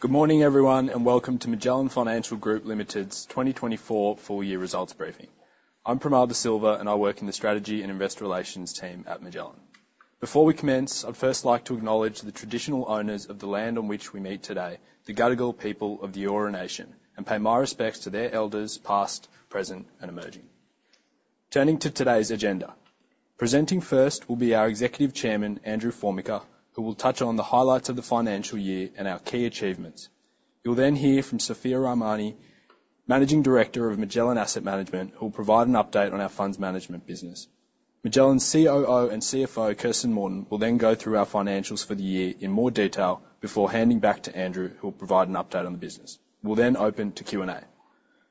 Good morning, everyone, and welcome to Magellan Financial Group Limited's 2024 full year results briefing. I'm Parnal Da Silva, and I work in the Strategy and Investor Relations team at Magellan. Before we commence, I'd first like to acknowledge the traditional owners of the land on which we meet today, the Gadigal people of the Eora Nation, and pay my respects to their elders past, present, and emerging. Turning to today's agenda, presenting first will be our Executive Chairman, Andrew Formica, who will touch on the highlights of the financial year and our key achievements. You'll then hear from Sophia Rahmani, Managing Director of Magellan Asset Management, who will provide an update on our funds management business. Magellan's COO and CFO, Kirsten Morton, will then go through our financials for the year in more detail before handing back to Andrew, who will provide an update on the business. We'll then open to Q&A.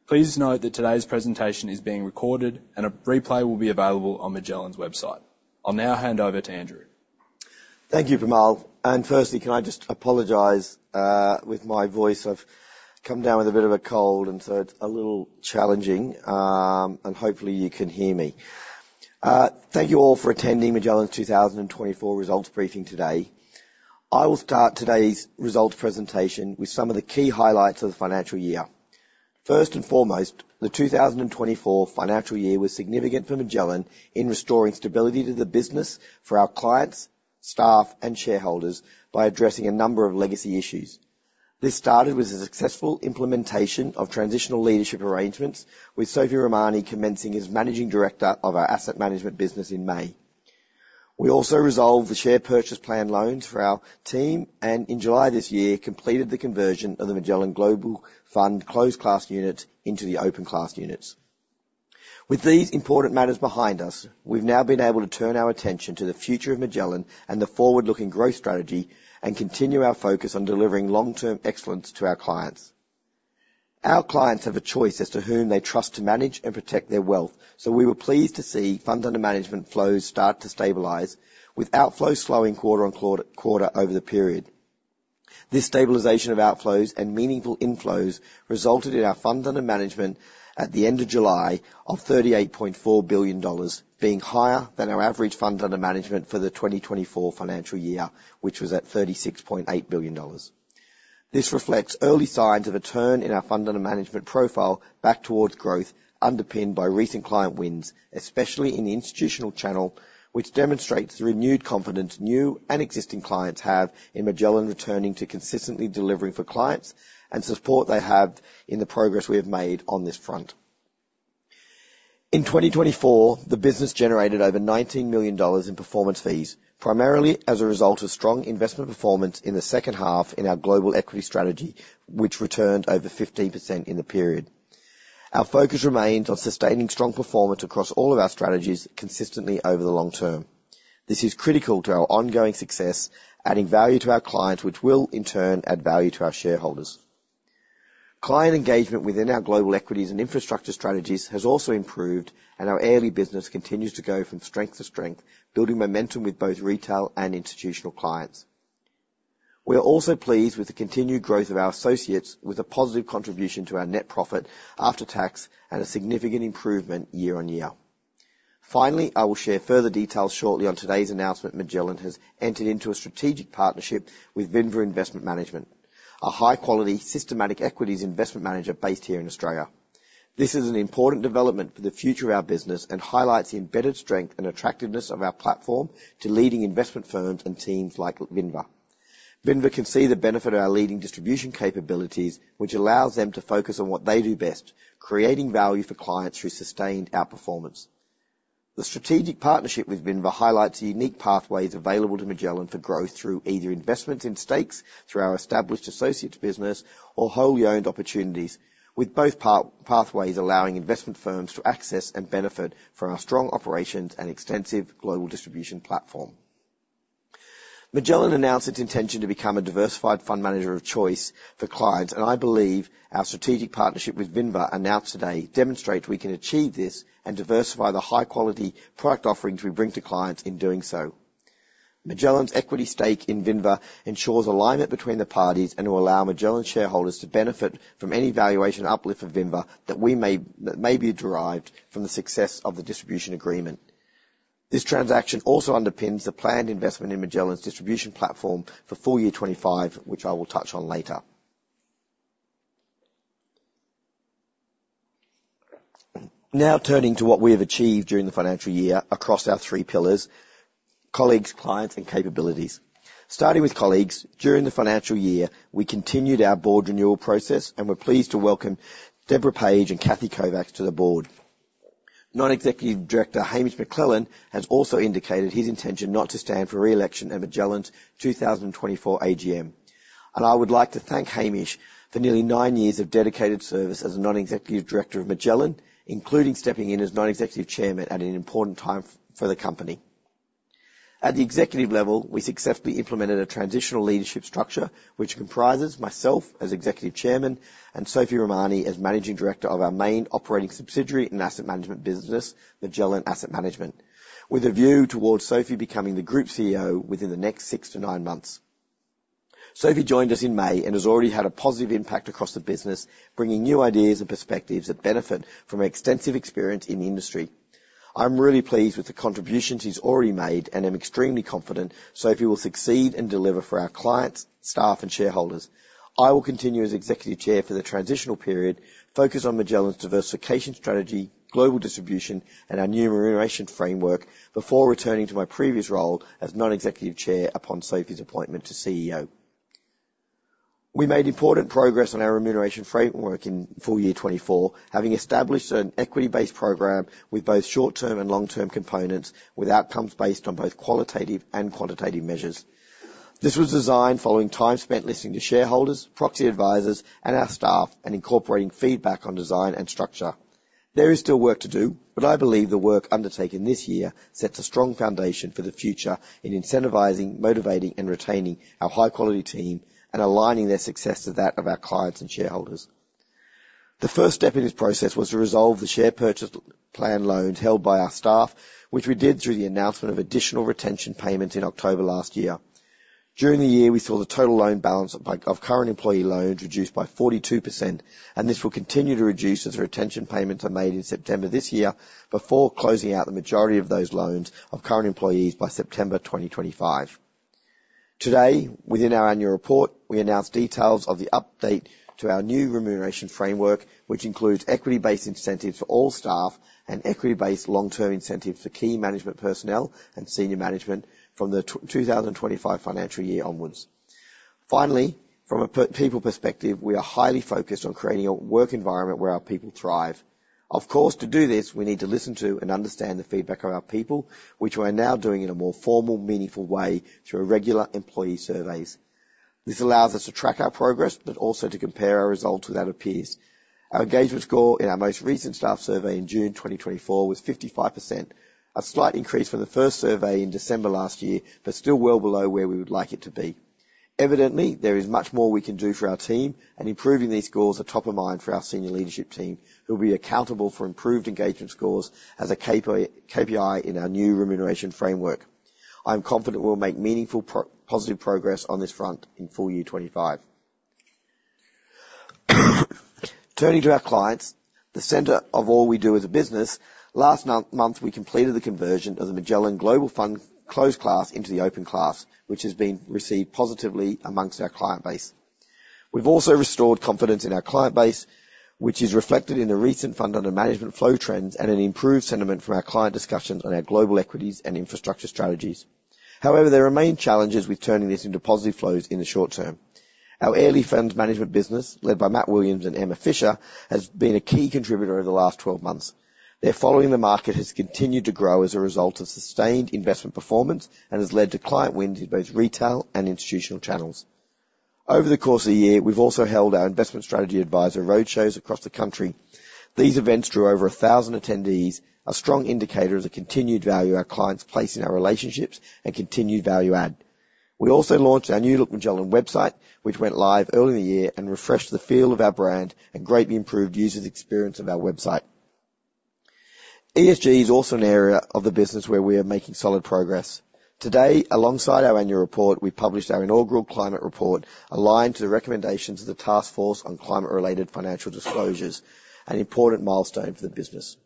Please note that today's presentation is being recorded, and a replay will be available on Magellan's website. I'll now hand over to Andrew. Thank you, Parnal. Firstly, can I just apologize with my voice. I've come down with a bit of a cold, and so it's a little challenging, and hopefully, you can hear me. Thank you all for attending Magellan's 2024 results briefing today. I will start today's results presentation with some of the key highlights of the financial year. First and foremost, the 2024 financial year was significant for Magellan in restoring stability to the business for our clients, staff, and shareholders by addressing a number of legacy issues. This started with the successful implementation of transitional leadership arrangements, with Sophia Rahmani commencing as Managing Director of our asset management business in May. We also resolved the share purchase plan loans for our team, and in July this year, completed the conversion of the Magellan Global Fund Closed Class units into the Open Class units. With these important matters behind us, we've now been able to turn our attention to the future of Magellan and the forward-looking growth strategy and continue our focus on delivering long-term excellence to our clients. Our clients have a choice as to whom they trust to manage and protect their wealth, so we were pleased to see funds under management flows start to stabilize, with outflows falling quarter-on-quarter over the period. This stabilization of outflows and meaningful inflows resulted in our funds under management at the end of July of AUD 38.4 billion, being higher than our average funds under management for the 2024 financial year, which was at 36.8 billion dollars. This reflects early signs of a turn in our fund under management profile back towards growth, underpinned by recent client wins, especially in the institutional channel, which demonstrates the renewed confidence new and existing clients have in Magellan returning to consistently delivering for clients, and support they have in the progress we have made on this front. In 2024, the business generated over AUD 19 million in performance fees, primarily as a result of strong investment performance in the second half in our global equity strategy, which returned over 15% in the period. Our focus remains on sustaining strong performance across all of our strategies consistently over the long term. This is critical to our ongoing success, adding value to our clients, which will, in turn, add value to our shareholders. Client engagement within our global equities and infrastructure strategies has also improved, and our Airlie business continues to go from strength to strength, building momentum with both retail and institutional clients. We are also pleased with the continued growth of our associates, with a positive contribution to our net profit after tax and a significant improvement year-on-year. Finally, I will share further details shortly on today's announcement. Magellan has entered into a strategic partnership with Vinva Investment Management, a high-quality, systematic equities investment manager based here in Australia. This is an important development for the future of our business and highlights the embedded strength and attractiveness of our platform to leading investment firms and teams like Vinva. Vinva can see the benefit of our leading distribution capabilities, which allows them to focus on what they do best, creating value for clients through sustained outperformance. The strategic partnership with Vinva highlights the unique pathways available to Magellan for growth through either investments in stakes through our established associates business or wholly owned opportunities, with both pathways allowing investment firms to access and benefit from our strong operations and extensive global distribution platform. Magellan announced its intention to become a diversified fund manager of choice for clients, and I believe our strategic partnership with Vinva, announced today, demonstrates we can achieve this and diversify the high-quality product offerings we bring to clients in doing so. Magellan's equity stake in Vinva ensures alignment between the parties and will allow Magellan shareholders to benefit from any valuation uplift of Vinva that may be derived from the success of the distribution agreement. This transaction also underpins the planned investment in Magellan's distribution platform for full year 2025, which I will touch on later. Now, turning to what we have achieved during the financial year across our three pillars: colleagues, clients, and capabilities. Starting with colleagues, during the financial year, we continued our board renewal process and were pleased to welcome Deborah Page and Cathy Kovacs to the board. Non-executive Director Hamish McLennan has also indicated his intention not to stand for re-election at Magellan's 2024 AGM. I would like to thank Hamish for nearly nine years of dedicated service as a Non-Executive Director of Magellan, including stepping in as Non-Executive Chairman at an important time for the company. At the executive level, we successfully implemented a transitional leadership structure, which comprises myself as Executive Chairman and Sophia Rahmani as Managing Director of our main operating subsidiary and asset management business, Magellan Asset Management, with a view towards Sophia becoming the group CEO within the next six to nine months. Sophia joined us in May and has already had a positive impact across the business, bringing new ideas and perspectives that benefit from her extensive experience in the industry. I'm really pleased with the contributions she's already made, and I'm extremely confident Sophia will succeed and deliver for our clients, staff, and shareholders. I will continue as Executive Chair for the transitional period, focus on Magellan's diversification strategy, global distribution, and our new remuneration framework, before returning to my previous role as Non-Executive Chair upon Sophie's appointment to CEO. We made important progress on our remuneration framework in full year 2024, having established an equity-based program with both short-term and long-term components, with outcomes based on both qualitative and quantitative measures. This was designed following time spent listening to shareholders, proxy advisors, and our staff, and incorporating feedback on design and structure. There is still work to do, but I believe the work undertaken this year sets a strong foundation for the future in incentivizing, motivating, and retaining our high-quality team and aligning their success to that of our clients and shareholders. The first step in this process was to resolve the share purchase plan loans held by our staff, which we did through the announcement of additional retention payments in October last year. During the year, we saw the total loan balance of current employee loans reduced by 42%, and this will continue to reduce as the retention payments are made in September this year, before closing out the majority of those loans of current employees by September 2025. Today, within our annual report, we announced details of the update to our new remuneration framework, which includes equity-based incentives for all staff and equity-based long-term incentives for key management personnel and senior management from the 2025 financial year onwards. Finally, from a people perspective, we are highly focused on creating a work environment where our people thrive. Of course, to do this, we need to listen to and understand the feedback of our people, which we are now doing in a more formal, meaningful way through our regular employee surveys. This allows us to track our progress, but also to compare our results with that of peers. Our engagement score in our most recent staff survey in June 2024 was 55%, a slight increase from the first survey in December last year, but still well below where we would like it to be. Evidently, there is much more we can do for our team, and improving these scores are top of mind for our senior leadership team, who will be accountable for improved engagement scores as a KPI, KPI in our new remuneration framework. I'm confident we'll make meaningful positive progress on this front in full year 2025. Turning to our clients, the center of all we do as a business, last month we completed the conversion of the Magellan Global Fund Closed Class into the Open Class, which has been received positively among our client base. We've also restored confidence in our client base, which is reflected in the recent funds under management flow trends and an improved sentiment from our client discussions on our global equities and infrastructure strategies. However, there remain challenges with turning this into positive flows in the short term. Our Airlie funds management business, led by Matt Williams and Emma Fisher, has been a key contributor over the last 12 months. Their following the market has continued to grow as a result of sustained investment performance and has led to client wins in both retail and institutional channels. Over the course of the year, we've also held our investment strategy advisor roadshows across the country. These events drew over a thousand attendees, a strong indicator of the continued value our clients place in our relationships and continued value add. We also launched our new look Magellan website, which went live early in the year and refreshed the feel of our brand and greatly improved user's experience of our website. ESG is also an area of the business where we are making solid progress. Today, alongside our annual report, we published our inaugural Climate Report, aligned to the recommendations of the Task Force on Climate-related Financial Disclosures, an important milestone for the business.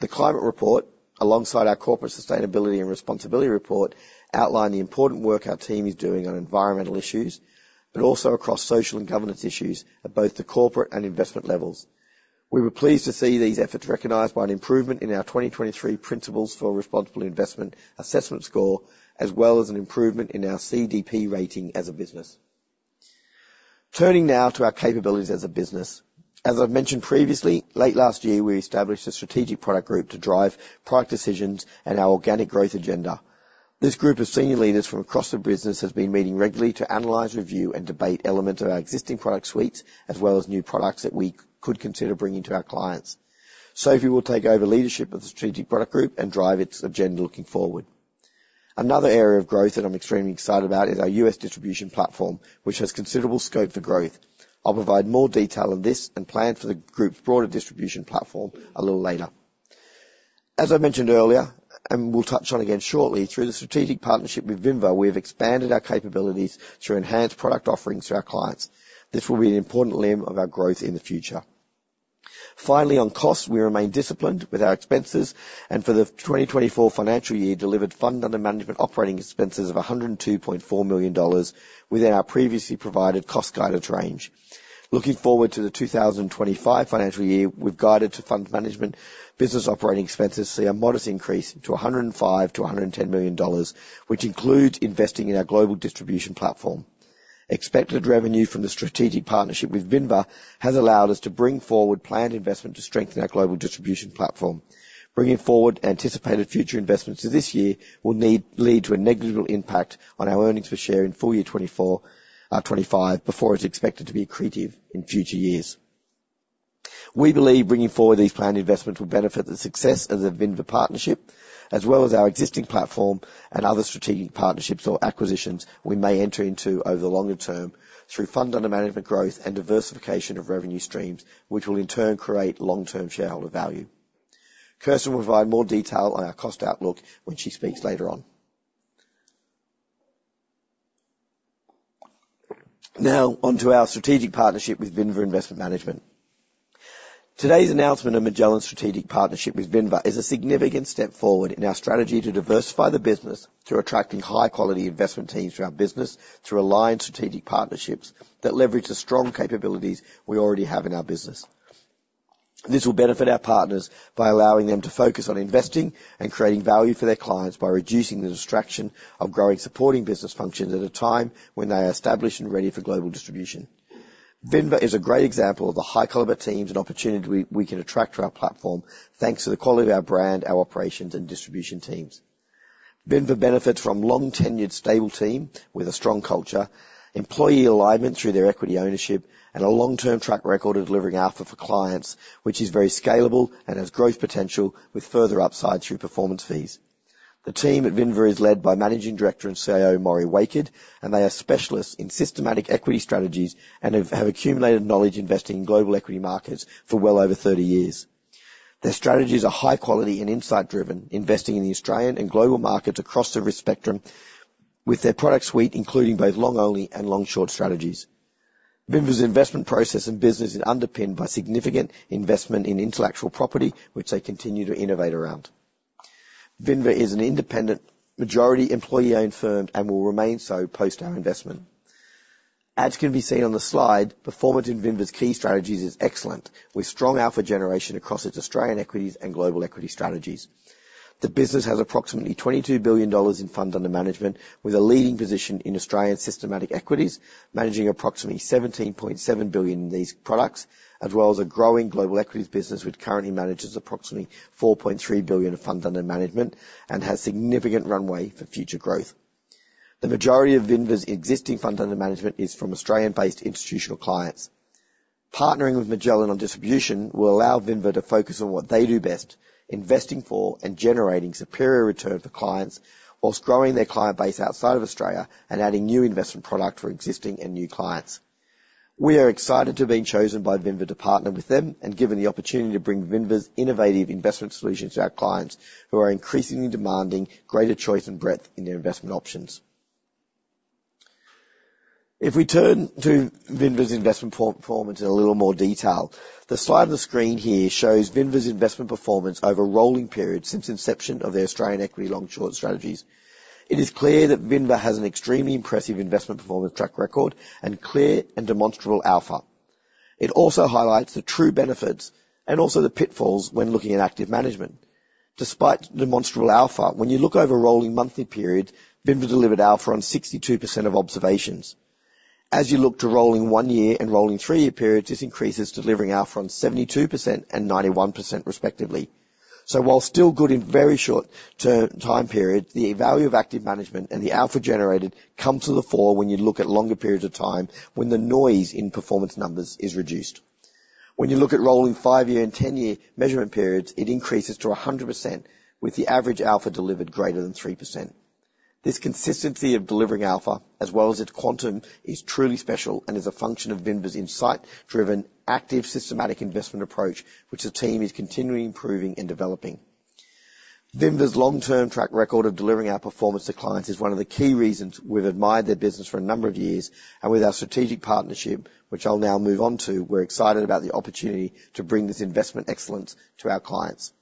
The Climate Report, alongside our Corporate Sustainability and Responsibility Report, outline the important work our team is doing on environmental issues, but also across social and governance issues at both the corporate and investment levels. We were pleased to see these efforts recognized by an improvement in our 2023 Principles for Responsible Investment assessment score, as well as an improvement in our CDP rating as a business. Turning now to our capabilities as a business. As I've mentioned previously, late last year, we established a strategic product group to drive product decisions and our organic growth agenda. This group of senior leaders from across the business has been meeting regularly to analyze, review, and debate elements of our existing product suites, as well as new products that we could consider bringing to our clients. Sophia will take over leadership of the strategic product group and drive its agenda looking forward. Another area of growth that I'm extremely excited about is our U.S. distribution platform, which has considerable scope for growth. I'll provide more detail on this and plan for the group's broader distribution platform a little later. As I mentioned earlier, and we'll touch on again shortly, through the strategic partnership with Vinva, we have expanded our capabilities to enhance product offerings to our clients. This will be an important limb of our growth in the future. Finally, on costs, we remain disciplined with our expenses, and for the 2024 financial year, delivered fund under management operating expenses of 102.4 million dollars within our previously provided cost guidance range. Looking forward to the 2025 financial year, we've guided to fund management business operating expenses to see a modest increase to 105 million-110 million dollars, which includes investing in our global distribution platform. Expected revenue from the strategic partnership with Vinva has allowed us to bring forward planned investment to strengthen our global distribution platform. Bringing forward anticipated future investments to this year will lead to a negligible impact on our earnings per share in full year 2024, 2025, before it's expected to be accretive in future years. We believe bringing forward these planned investments will benefit the success of the Vinva partnership, as well as our existing platform and other strategic partnerships or acquisitions we may enter into over the longer term through funds under management growth and diversification of revenue streams, which will in turn create long-term shareholder value. Kirsten will provide more detail on our cost outlook when she speaks later on. Now, on to our strategic partnership with Vinva Investment Management. Today's announcement of Magellan's strategic partnership with Vinva is a significant step forward in our strategy to diversify the business through attracting high-quality investment teams to our business, through aligned strategic partnerships that leverage the strong capabilities we already have in our business. This will benefit our partners by allowing them to focus on investing and creating value for their clients by reducing the distraction of growing supporting business functions at a time when they are established and ready for global distribution. Vinva is a great example of the high caliber teams and opportunity we can attract to our platform, thanks to the quality of our brand, our operations, and distribution teams. Vinva benefits from long-tenured, stable team with a strong culture, employee alignment through their equity ownership, and a long-term track record of delivering alpha for clients, which is very scalable and has growth potential with further upside through performance fees. The team at Vinva is led by Managing Director and CEO, Morry Waked, and they are specialists in systematic equity strategies, and have accumulated knowledge investing in global equity markets for well over 30 years. Their strategies are high quality and insight-driven, investing in the Australian and global markets across the risk spectrum, with their product suite, including both long only and long-short strategies. Vinva's investment process and business is underpinned by significant investment in intellectual property, which they continue to innovate around. Vinva is an independent, majority employee-owned firm and will remain so post our investment. As can be seen on the slide, performance in Vinva's key strategies is excellent, with strong alpha generation across its Australian equities and global equity strategies. The business has approximately 22 billion dollars in funds under management, with a leading position in Australian systematic equities, managing approximately 17.7 billion in these products, as well as a growing global equities business, which currently manages approximately 4.3 billion of funds under management and has significant runway for future growth. The majority of Vinva's existing funds under management is from Australian-based institutional clients. Partnering with Magellan on distribution will allow Vinva to focus on what they do best, investing for and generating superior return for clients, while growing their client base outside of Australia and adding new investment product for existing and new clients. We are excited to have been chosen by Vinva to partner with them and given the opportunity to bring Vinva's innovative investment solutions to our clients, who are increasingly demanding greater choice and breadth in their investment options. If we turn to Vinva's investment performance in a little more detail, the slide on the screen here shows Vinva's investment performance over rolling periods since inception of the Australian equity long-short strategies. It is clear that Vinva has an extremely impressive investment performance track record and clear and demonstrable alpha. It also highlights the true benefits and also the pitfalls when looking at active management. Despite demonstrable alpha, when you look over rolling monthly periods, Vinva delivered alpha on 62% of observations. As you look to rolling one-year and rolling three-year periods, this increases, delivering alpha on 72% and 91%, respectively. So while still good in very short-term time period, the value of active management and the alpha generated come to the fore when you look at longer periods of time, when the noise in performance numbers is reduced. When you look at rolling 5-year and 10-year measurement periods, it increases to 100%, with the average alpha delivered greater than 3%. This consistency of delivering alpha, as well as its quantum, is truly special and is a function of Vinva's insight-driven, active, systematic investment approach, which the team is continually improving and developing. Vinva's long-term track record of delivering our performance to clients is one of the key reasons we've admired their business for a number of years, and with our strategic partnership, which I'll now move on to, we're excited about the opportunity to bring this investment excellence to our clients.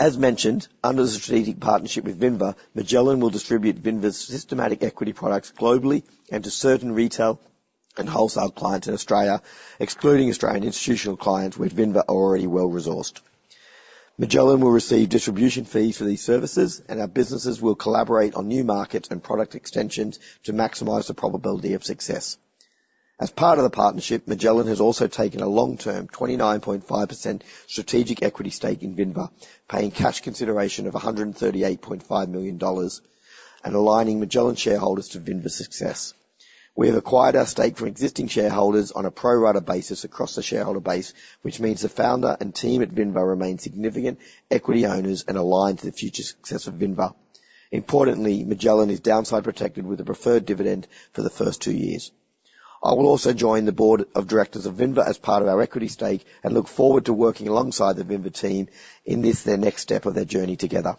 As mentioned, under the strategic partnership with Vinva, Magellan will distribute Vinva's systematic equity products globally and to certain retail and wholesale clients in Australia, excluding Australian institutional clients, with Vinva already well-resourced. Magellan will receive distribution fees for these services, and our businesses will collaborate on new markets and product extensions to maximize the probability of success. As part of the partnership, Magellan has also taken a long-term, 29.5% strategic equity stake in Vinva, paying cash consideration of 138.5 million dollars and aligning Magellan shareholders to Vinva's success. We have acquired our stake from existing shareholders on a pro rata basis across the shareholder base, which means the founder and team at Vinva remain significant equity owners and aligned to the future success of Vinva. Importantly, Magellan is downside protected with a preferred dividend for the first two years. I will also join the board of directors of Vinva as part of our equity stake and look forward to working alongside the Vinva team in this, their next step of their journey together.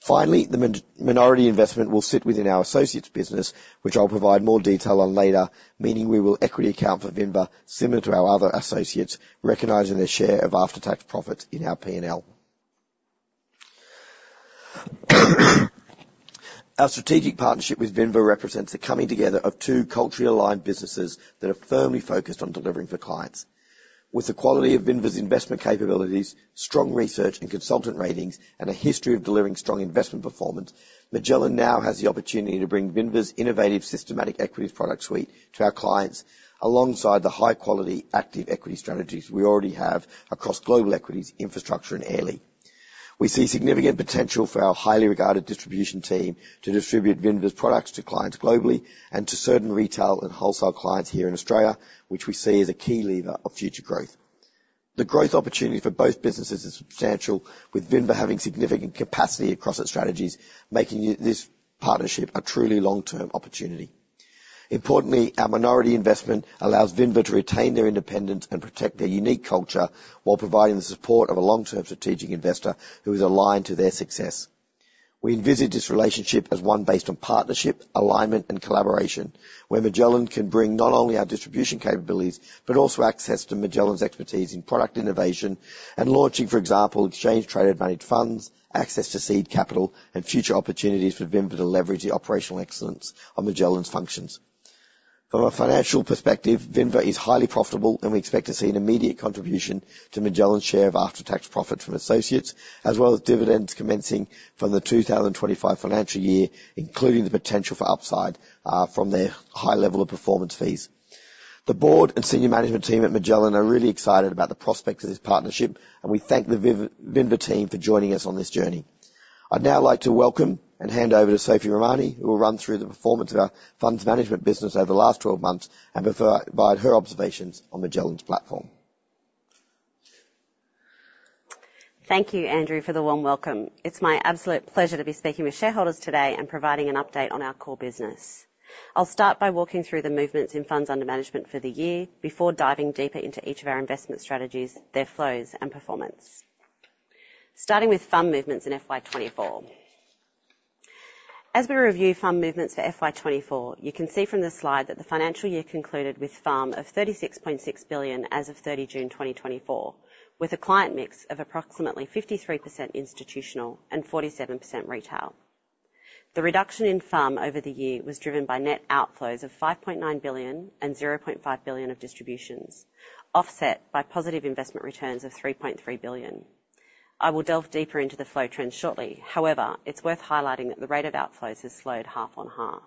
Finally, the minority investment will sit within our associates business, which I'll provide more detail on later, meaning we will equity account for Vinva, similar to our other associates, recognizing their share of after-tax profits in our P&L. Our strategic partnership with Vinva represents the coming together of two culturally aligned businesses that are firmly focused on delivering for clients. With the quality of Vinva's investment capabilities, strong research and consultant ratings, and a history of delivering strong investment performance, Magellan now has the opportunity to bring Vinva's innovative, systematic equities product suite to our clients, alongside the high-quality active equity strategies we already have across global equities, infrastructure, and Airlie. We see significant potential for our highly regarded distribution team to distribute Vinva's products to clients globally and to certain retail and wholesale clients here in Australia, which we see as a key lever of future growth. The growth opportunity for both businesses is substantial, with Vinva having significant capacity across its strategies, making this partnership a truly long-term opportunity. Importantly, our minority investment allows Vinva to retain their independence and protect their unique culture, while providing the support of a long-term strategic investor who is aligned to their success. We envisage this relationship as one based on partnership, alignment, and collaboration, where Magellan can bring not only our distribution capabilities, but also access to Magellan's expertise in product innovation and launching, for example, exchange-traded managed funds, access to seed capital, and future opportunities for Vinva to leverage the operational excellence of Magellan's functions. From a financial perspective, Vinva is highly profitable, and we expect to see an immediate contribution to Magellan's share of after-tax profits from associates, as well as dividends commencing from the 2025 financial year, including the potential for upside from their high level of performance fees. The board and senior management team at Magellan are really excited about the prospects of this partnership, and we thank the Vinva team for joining us on this journey. I'd now like to welcome and hand over to Sophia Rahmani, who will run through the performance of our funds management business over the last 12 months and provide her observations on Magellan's platform. Thank you, Andrew, for the warm welcome. It's my absolute pleasure to be speaking with shareholders today and providing an update on our core business. I'll start by walking through the movements in funds under management for the year before diving deeper into each of our investment strategies, their flows, and performance. Starting with fund movements in FY 2024. As we review fund movements for FY 2024, you can see from the slide that the financial year concluded with FUM of 36.6 billion as of 30 June 2024, with a client mix of approximately 53% institutional and 47% retail. The reduction in FUM over the year was driven by net outflows of 5.9 billion and 0.5 billion of distributions, offset by positive investment returns of 3.3 billion. I will delve deeper into the flow trends shortly. However, it's worth highlighting that the rate of outflows has slowed half on half.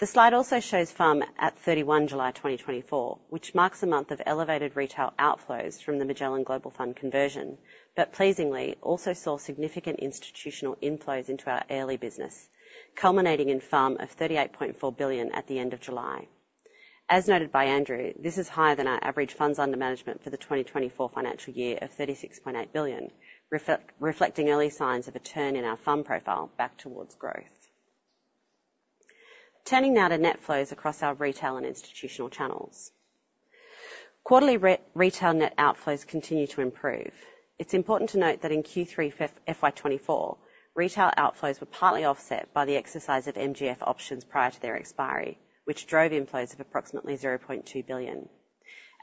The slide also shows FUM at 31 July 2024, which marks a month of elevated retail outflows from the Magellan Global Fund conversion, but pleasingly, also saw significant institutional inflows into our early business, culminating in FUM of 38.4 billion at the end of July. As noted by Andrew, this is higher than our average funds under management for the 2024 financial year of 36.8 billion, reflecting early signs of a turn in our FUM profile back towards growth. Turning now to net flows across our retail and institutional channels. Quarterly retail net outflows continue to improve. It's important to note that in Q3, FY 2024, retail outflows were partly offset by the exercise of MGF options prior to their expiry, which drove inflows of approximately 0.2 billion.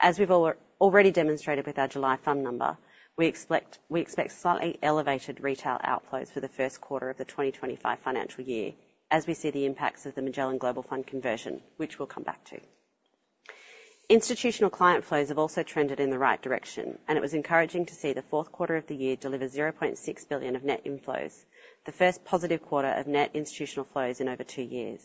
As we've already demonstrated with our July FUM number, we expect slightly elevated retail outflows for the first quarter of the 2025 financial year, as we see the impacts of the Magellan Global Fund conversion, which we'll come back to. Institutional client flows have also trended in the right direction, and it was encouraging to see the fourth quarter of the year deliver 0.6 billion of net inflows, the first positive quarter of net institutional flows in over two years.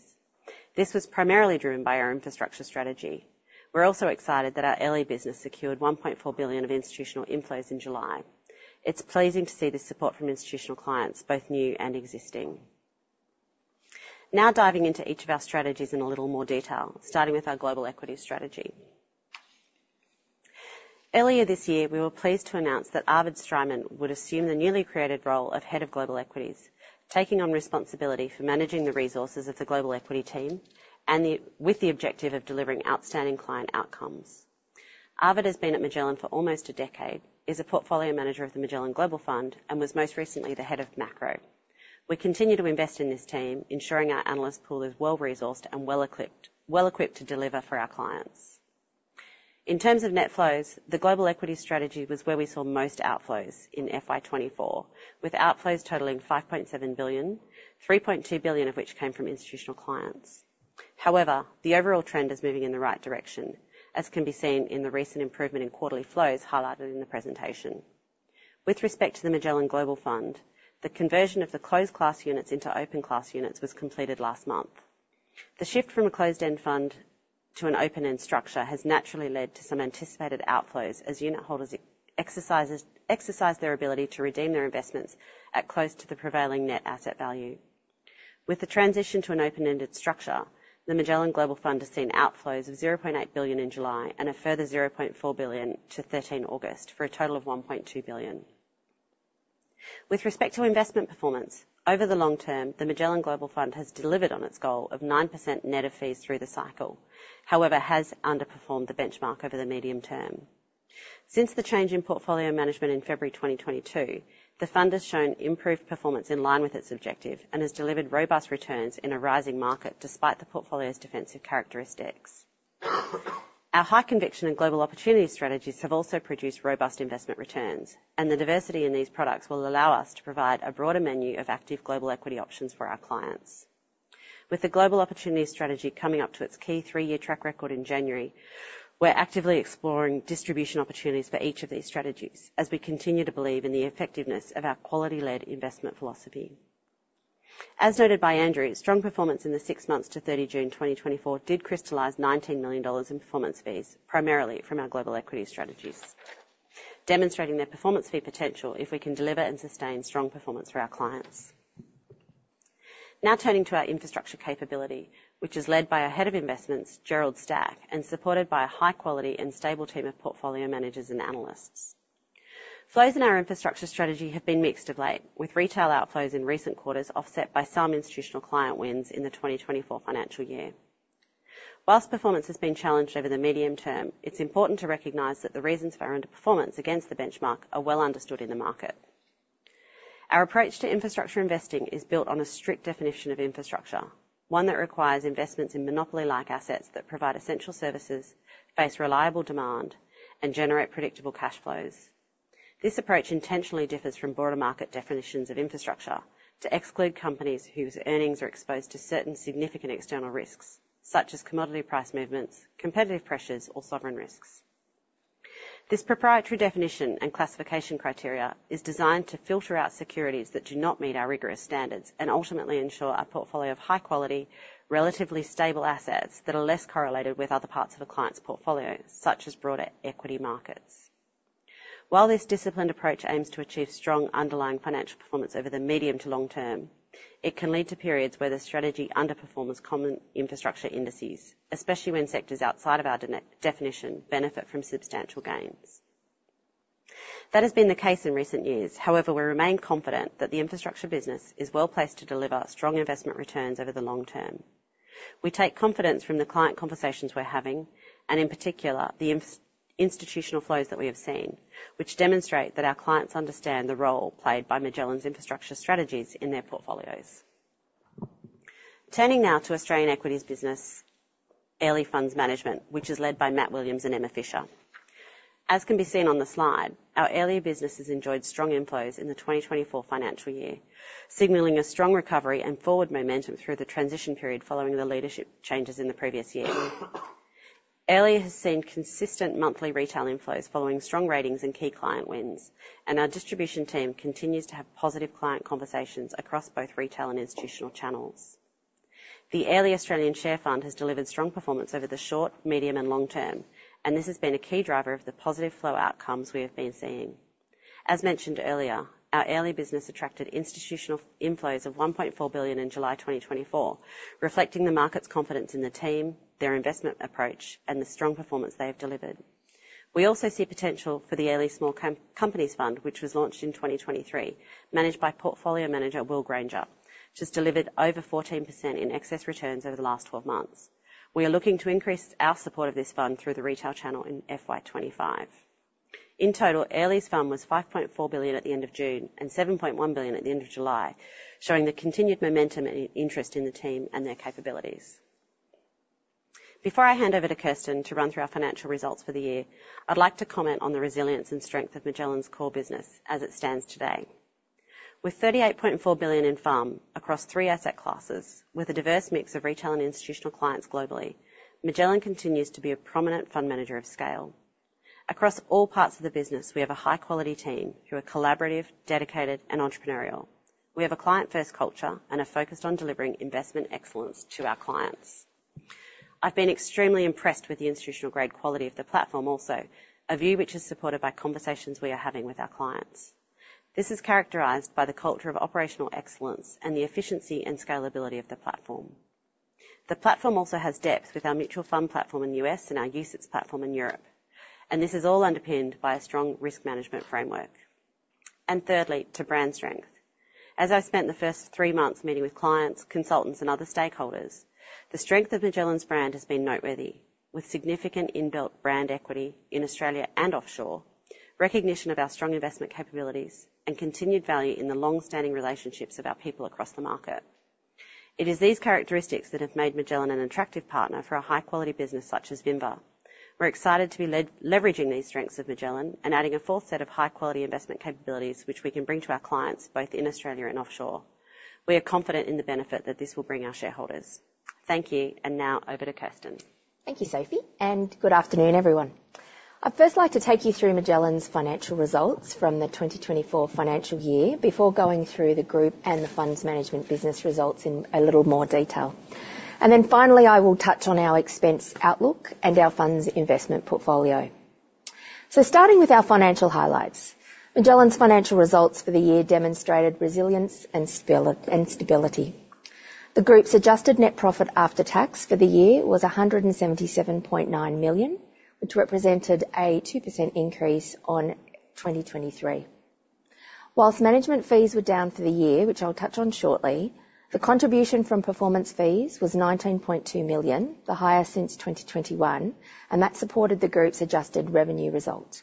This was primarily driven by our infrastructure strategy. We're also excited that our Airlie business secured 1.4 billion of institutional inflows in July. It's pleasing to see the support from institutional clients, both new and existing. Now, diving into each of our strategies in a little more detail, starting with our global equity strategy. Earlier this year, we were pleased to announce that Arvid Streimann would assume the newly created role of Head of Global Equities, taking on responsibility for managing the resources of the global equity team and the, with the objective of delivering outstanding client outcomes. Arvid has been at Magellan for almost a decade, is a portfolio manager of the Magellan Global Fund, and was most recently the head of macro. We continue to invest in this team, ensuring our analyst pool is well-resourced and well-equipped to deliver for our clients. In terms of net flows, the global equity strategy was where we saw most outflows in FY 2024, with outflows totaling 5.7 billion, 3.2 billion of which came from institutional clients. However, the overall trend is moving in the right direction, as can be seen in the recent improvement in quarterly flows highlighted in the presentation. With respect to the Magellan Global Fund, the conversion of the closed class units into open class units was completed last month. The shift from a closed-end fund to an open-end structure has naturally led to some anticipated outflows as unitholders exercise their ability to redeem their investments at close to the prevailing net asset value. With the transition to an open-ended structure, the Magellan Global Fund has seen outflows of 0.8 billion in July and a further 0.4 billion to 13 August, for a total of 1.2 billion. With respect to investment performance, over the long term, the Magellan Global Fund has delivered on its goal of 9% net of fees through the cycle, however, has underperformed the benchmark over the medium term. Since the change in portfolio management in February 2022, the fund has shown improved performance in line with its objective and has delivered robust returns in a rising market despite the portfolio's defensive characteristics. Our high conviction and Global Opportunity strategies have also produced robust investment returns, and the diversity in these products will allow us to provide a broader menu of active global equity options for our clients. With the Global Opportunities strategy coming up to its key 3-year track record in January, we're actively exploring distribution opportunities for each of these strategies as we continue to believe in the effectiveness of our quality-led investment philosophy. As noted by Andrew, strong performance in the six months to 30 June 2024 did crystallize 19 million dollars in performance fees, primarily from our global equity strategies, demonstrating their performance fee potential if we can deliver and sustain strong performance for our clients. Now turning to our infrastructure capability, which is led by our Head of Investments, Gerald Stack, and supported by a high-quality and stable team of portfolio managers and analysts. Flows in our infrastructure strategy have been mixed of late, with retail outflows in recent quarters, offset by some institutional client wins in the 2024 financial year. While performance has been challenged over the medium term, it's important to recognize that the reasons for our underperformance against the benchmark are well understood in the market. Our approach to infrastructure investing is built on a strict definition of infrastructure, one that requires investments in monopoly-like assets that provide essential services, face reliable demand, and generate predictable cash flows. This approach intentionally differs from broader market definitions of infrastructure to exclude companies whose earnings are exposed to certain significant external risks, such as commodity price movements, competitive pressures, or sovereign risks. This proprietary definition and classification criteria is designed to filter out securities that do not meet our rigorous standards and ultimately ensure a portfolio of high quality, relatively stable assets that are less correlated with other parts of a client's portfolio, such as broader equity markets. While this disciplined approach aims to achieve strong underlying financial performance over the medium to long term, it can lead to periods where the strategy underperforms common infrastructure indices, especially when sectors outside of our definition benefit from substantial gains. That has been the case in recent years. However, we remain confident that the infrastructure business is well-placed to deliver strong investment returns over the long term. We take confidence from the client conversations we're having, and in particular, the institutional flows that we have seen, which demonstrate that our clients understand the role played by Magellan's infrastructure strategies in their portfolios. Turning now to Australian Equities business, Airlie Funds Management, which is led by Matt Williams and Emma Fisher. As can be seen on the slide, our Airlie business has enjoyed strong inflows in the 2024 financial year, signaling a strong recovery and forward momentum through the transition period following the leadership changes in the previous year. Airlie has seen consistent monthly retail inflows following strong ratings and key client wins, and our distribution team continues to have positive client conversations across both retail and institutional channels. The Airlie Australian Share Fund has delivered strong performance over the short, medium, and long term, and this has been a key driver of the positive flow outcomes we have been seeing. As mentioned earlier, our Airlie business attracted institutional inflows of 1.4 billion in July 2024, reflecting the market's confidence in the team, their investment approach, and the strong performance they have delivered. We also see potential for the Airlie Small Companies Fund, which was launched in 2023, managed by portfolio manager, Will Granger, which has delivered over 14% in excess returns over the last 12 months. We are looking to increase our support of this fund through the retail channel in FY 2025. In total, Airlie's fund was 5.4 billion at the end of June and 7.1 billion at the end of July, showing the continued momentum and interest in the team and their capabilities. Before I hand over to Kirsten to run through our financial results for the year, I'd like to comment on the resilience and strength of Magellan's core business as it stands today. With 38.4 billion in FUM across three asset classes, with a diverse mix of retail and institutional clients globally, Magellan continues to be a prominent fund manager of scale. Across all parts of the business, we have a high-quality team who are collaborative, dedicated, and entrepreneurial. We have a client-first culture and are focused on delivering investment excellence to our clients. I've been extremely impressed with the institutional-grade quality of the platform also, a view which is supported by conversations we are having with our clients. This is characterized by the culture of operational excellence and the efficiency and scalability of the platform. The platform also has depth with our mutual fund platform in the U.S. and our UCITS platform in Europe, and this is all underpinned by a strong risk management framework. And thirdly, to brand strength. As I spent the first three months meeting with clients, consultants, and other stakeholders, the strength of Magellan's brand has been noteworthy, with significant inbuilt brand equity in Australia and offshore, recognition of our strong investment capabilities, and continued value in the long-standing relationships of our people across the market. It is these characteristics that have made Magellan an attractive partner for a high-quality business such as Vinva. We're excited to be leveraging these strengths of Magellan and adding a fourth set of high-quality investment capabilities, which we can bring to our clients, both in Australia and offshore. We are confident in the benefit that this will bring our shareholders. Thank you, and now over to Kirsten. Thank you, Sophie, and good afternoon, everyone. I'd first like to take you through Magellan's financial results from the 2024 financial year before going through the group and the funds management business results in a little more detail. Then finally, I will touch on our expense outlook and our funds investment portfolio. Starting with our financial highlights, Magellan's financial results for the year demonstrated resilience and stability. The group's adjusted net profit after tax for the year was 177.9 million, which represented a 2% increase on 2023. While management fees were down for the year, which I'll touch on shortly, the contribution from performance fees was 19.2 million, the highest since 2021, and that supported the group's adjusted revenue results.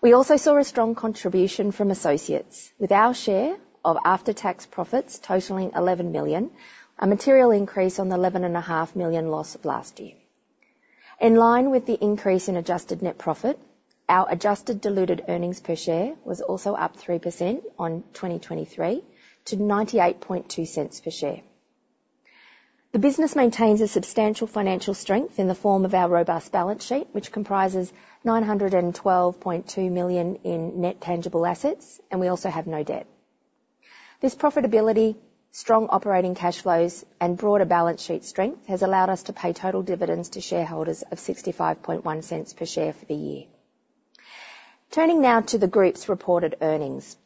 We also saw a strong contribution from associates with our share of after-tax profits totaling 11 million, a material increase on the 11.5 million loss of last year. In line with the increase in adjusted net profit, our adjusted diluted earnings per share was also up 3% on 2023 to 0.982 per share. The business maintains a substantial financial strength in the form of our robust balance sheet, which comprises 912.2 million in net tangible assets, and we also have no debt. This profitability, strong operating cash flows, and broader balance sheet strength has allowed us to pay total dividends to shareholders of 0.651 per share for the year.... Turning now to the group's reported earnings.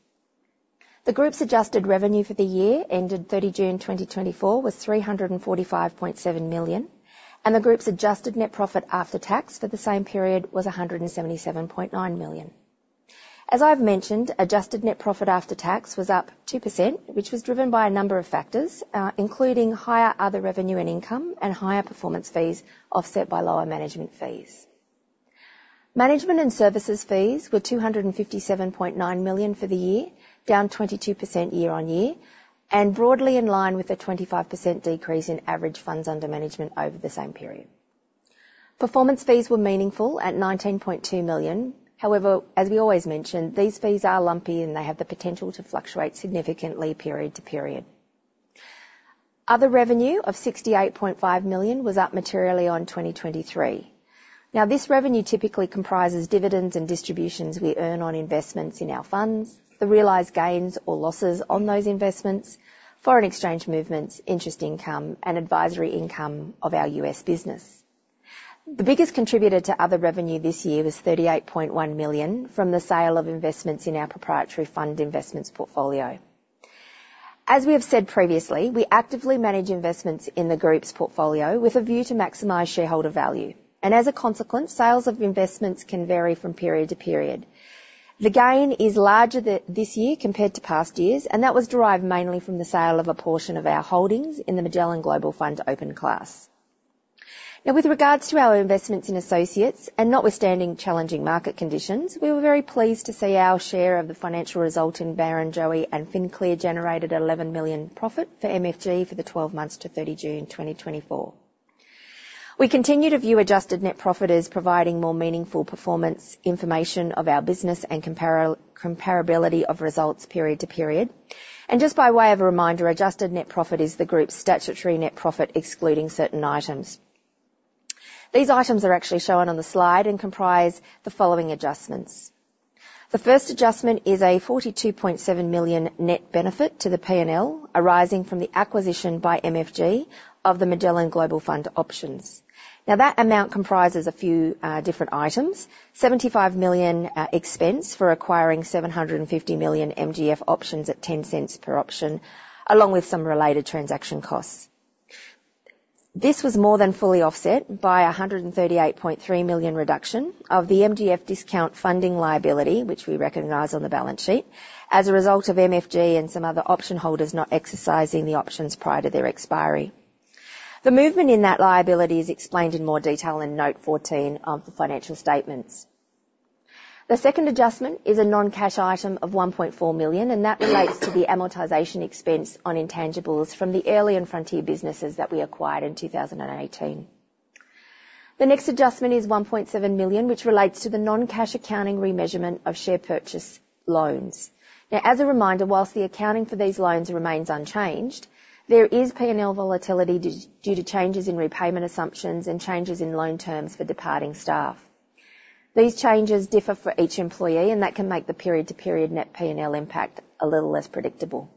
The group's adjusted revenue for the year ended 30 June 2024 was 345.7 million, and the group's adjusted net profit after tax for the same period was 177.9 million. As I've mentioned, adjusted net profit after tax was up 2%, which was driven by a number of factors, including higher other revenue and income, and higher performance fees, offset by lower management fees. Management and services fees were 257.9 million for the year, down 22% year-on-year, and broadly in line with a 25% decrease in average funds under management over the same period. Performance fees were meaningful at 19.2 million. However, as we always mention, these fees are lumpy, and they have the potential to fluctuate significantly period-to-period. Other revenue of 68.5 million was up materially on 2023. Now, this revenue typically comprises dividends and distributions we earn on investments in our funds, the realized gains or losses on those investments, foreign exchange movements, interest income, and advisory income of our U.S. business. The biggest contributor to other revenue this year was 38.1 million from the sale of investments in our proprietary fund investments portfolio. As we have said previously, we actively manage investments in the group's portfolio with a view to maximize shareholder value, and as a consequence, sales of investments can vary from period to period. The gain is larger this year compared to past years, and that was derived mainly from the sale of a portion of our holdings in the Magellan Global Fund Open Class. Now, with regards to our investments in associates, and notwithstanding challenging market conditions, we were very pleased to see our share of the financial result in Barrenjoey and FinClear generated 11 million profit for MFG for the 12 months to 30 June 2024. We continue to view adjusted net profit as providing more meaningful performance information of our business and comparability of results period to period. Just by way of a reminder, adjusted net profit is the group's statutory net profit, excluding certain items. These items are actually shown on the slide and comprise the following adjustments: The first adjustment is a 42.7 million net benefit to the P&L, arising from the acquisition by MFG of the Magellan Global Fund options. Now, that amount comprises a few different items. 75 million expense for acquiring 750 million MGF options at 0.10 per option, along with some related transaction costs. This was more than fully offset by a 138.3 million reduction of the MGF discount funding liability, which we recognize on the balance sheet, as a result of MFG and some other option holders not exercising the options prior to their expiry. The movement in that liability is explained in more detail in Note 14 of the financial statements. The second adjustment is a non-cash item of 1.4 million, and that relates to the amortization expense on intangibles from the Airlie and Frontier businesses that we acquired in 2018. The next adjustment is 1.7 million, which relates to the non-cash accounting remeasurement of share purchase loans. Now, as a reminder, while the accounting for these loans remains unchanged, there is P&L volatility due to changes in repayment assumptions and changes in loan terms for departing staff. These changes differ for each employee, and that can make the period-to-period net P&L impact a little less predictable.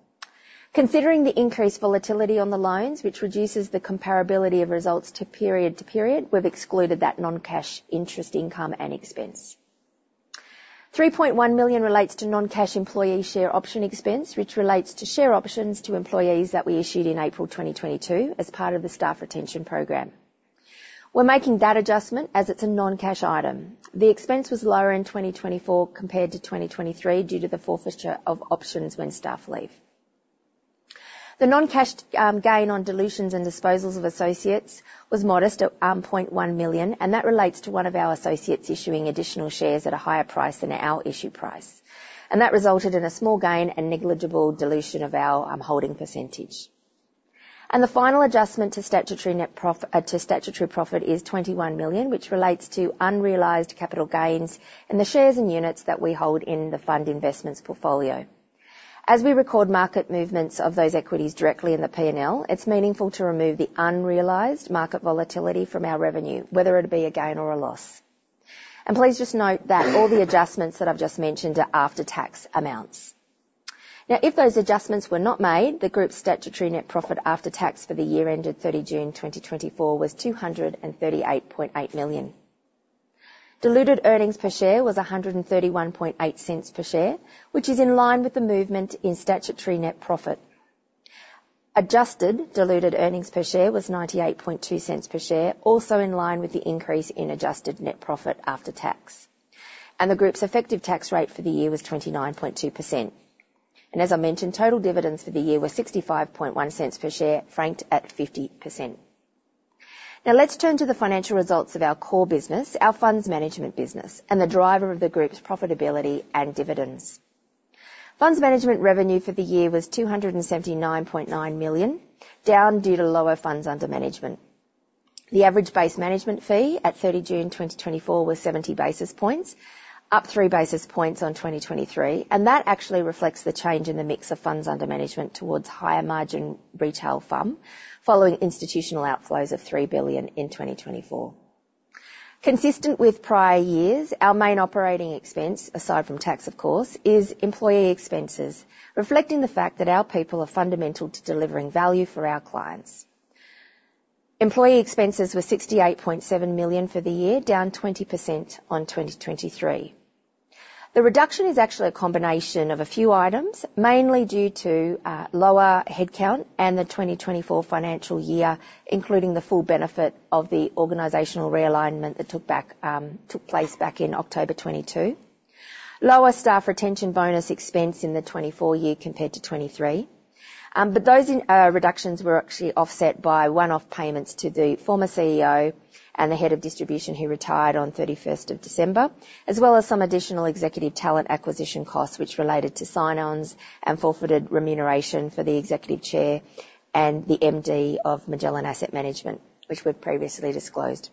Considering the increased volatility on the loans, which reduces the comparability of results to period-to-period, we've excluded that non-cash interest income and expense. 3.1 million relates to non-cash employee share option expense, which relates to share options to employees that we issued in April 2022 as part of the staff retention program. We're making that adjustment, as it's a non-cash item. The expense was lower in 2024 compared to 2023, due to the forfeiture of options when staff leave. The non-cash gain on dilutions and disposals of associates was modest at 0.1 million, and that relates to one of our associates issuing additional shares at a higher price than our issue price. That resulted in a small gain and negligible dilution of our holding percentage. The final adjustment to statutory net profit is 21 million, which relates to unrealized capital gains in the shares and units that we hold in the fund investments portfolio. As we record market movements of those equities directly in the P&L, it's meaningful to remove the unrealized market volatility from our revenue, whether it be a gain or a loss. Please just note that all the adjustments that I've just mentioned are after-tax amounts. Now, if those adjustments were not made, the group's statutory net profit after tax for the year ended 30 June 2024 was 238.8 million. Diluted earnings per share was 1.318 per share, which is in line with the movement in statutory net profit. Adjusted diluted earnings per share was 0.982 per share, also in line with the increase in adjusted net profit after tax. The group's effective tax rate for the year was 29.2%. As I mentioned, total dividends for the year were 0.651 per share, franked at 50%. Now, let's turn to the financial results of our core business, our funds management business, and the driver of the group's profitability and dividends. Funds management revenue for the year was 279.9 million, down due to lower funds under management. The average base management fee at 30 June 2024 was 70 basis points, up 3 basis points on 2023, and that actually reflects the change in the mix of funds under management towards higher margin retail FUM, following institutional outflows of 3 billion in 2024. Consistent with prior years, our main operating expense, aside from tax of course, is employee expenses, reflecting the fact that our people are fundamental to delivering value for our clients. Employee expenses were 68.7 million for the year, down 20% on 2023. The reduction is actually a combination of a few items, mainly due to lower headcount and the 2024 financial year, including the full benefit of the organizational realignment that took place back in October 2022. Lower staff retention bonus expense in the 2024 year compared to 2023. But those reductions were actually offset by one-off payments to the former CEO and the head of distribution, who retired on 31st of December, as well as some additional executive talent acquisition costs, which related to sign-ons and forfeited remuneration for the Executive Chair and the MD of Magellan Asset Management, which we've previously disclosed.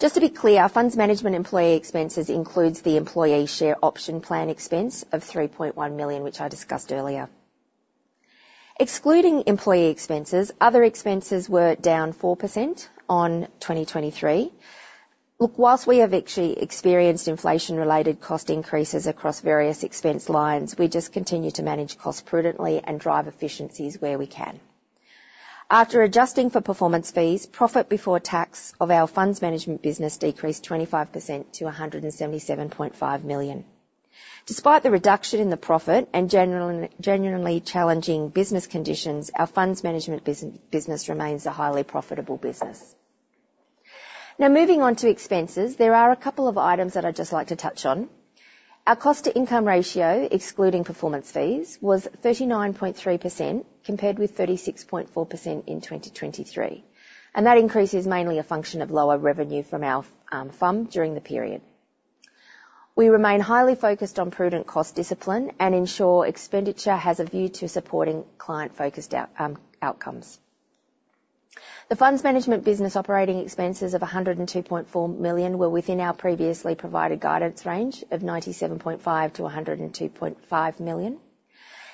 Just to be clear, funds management employee expenses includes the employee share option plan expense of 3.1 million, which I discussed earlier. Excluding employee expenses, other expenses were down 4% on 2023. Look, while we have actually experienced inflation-related cost increases across various expense lines, we just continue to manage costs prudently and drive efficiencies where we can. After adjusting for performance fees, profit before tax of our funds management business decreased 25% to 177.5 million. Despite the reduction in the profit and genuinely challenging business conditions, our funds management business remains a highly profitable business. Now, moving on to expenses, there are a couple of items that I'd just like to touch on. Our cost-to-income ratio, excluding performance fees, was 39.3%, compared with 36.4% in 2023, and that increase is mainly a function of lower revenue from our fund during the period. We remain highly focused on prudent cost discipline and ensure expenditure has a view to supporting client-focused outcomes. The funds management business operating expenses of 102.4 million were within our previously provided guidance range of 97.5 million-102.5 million.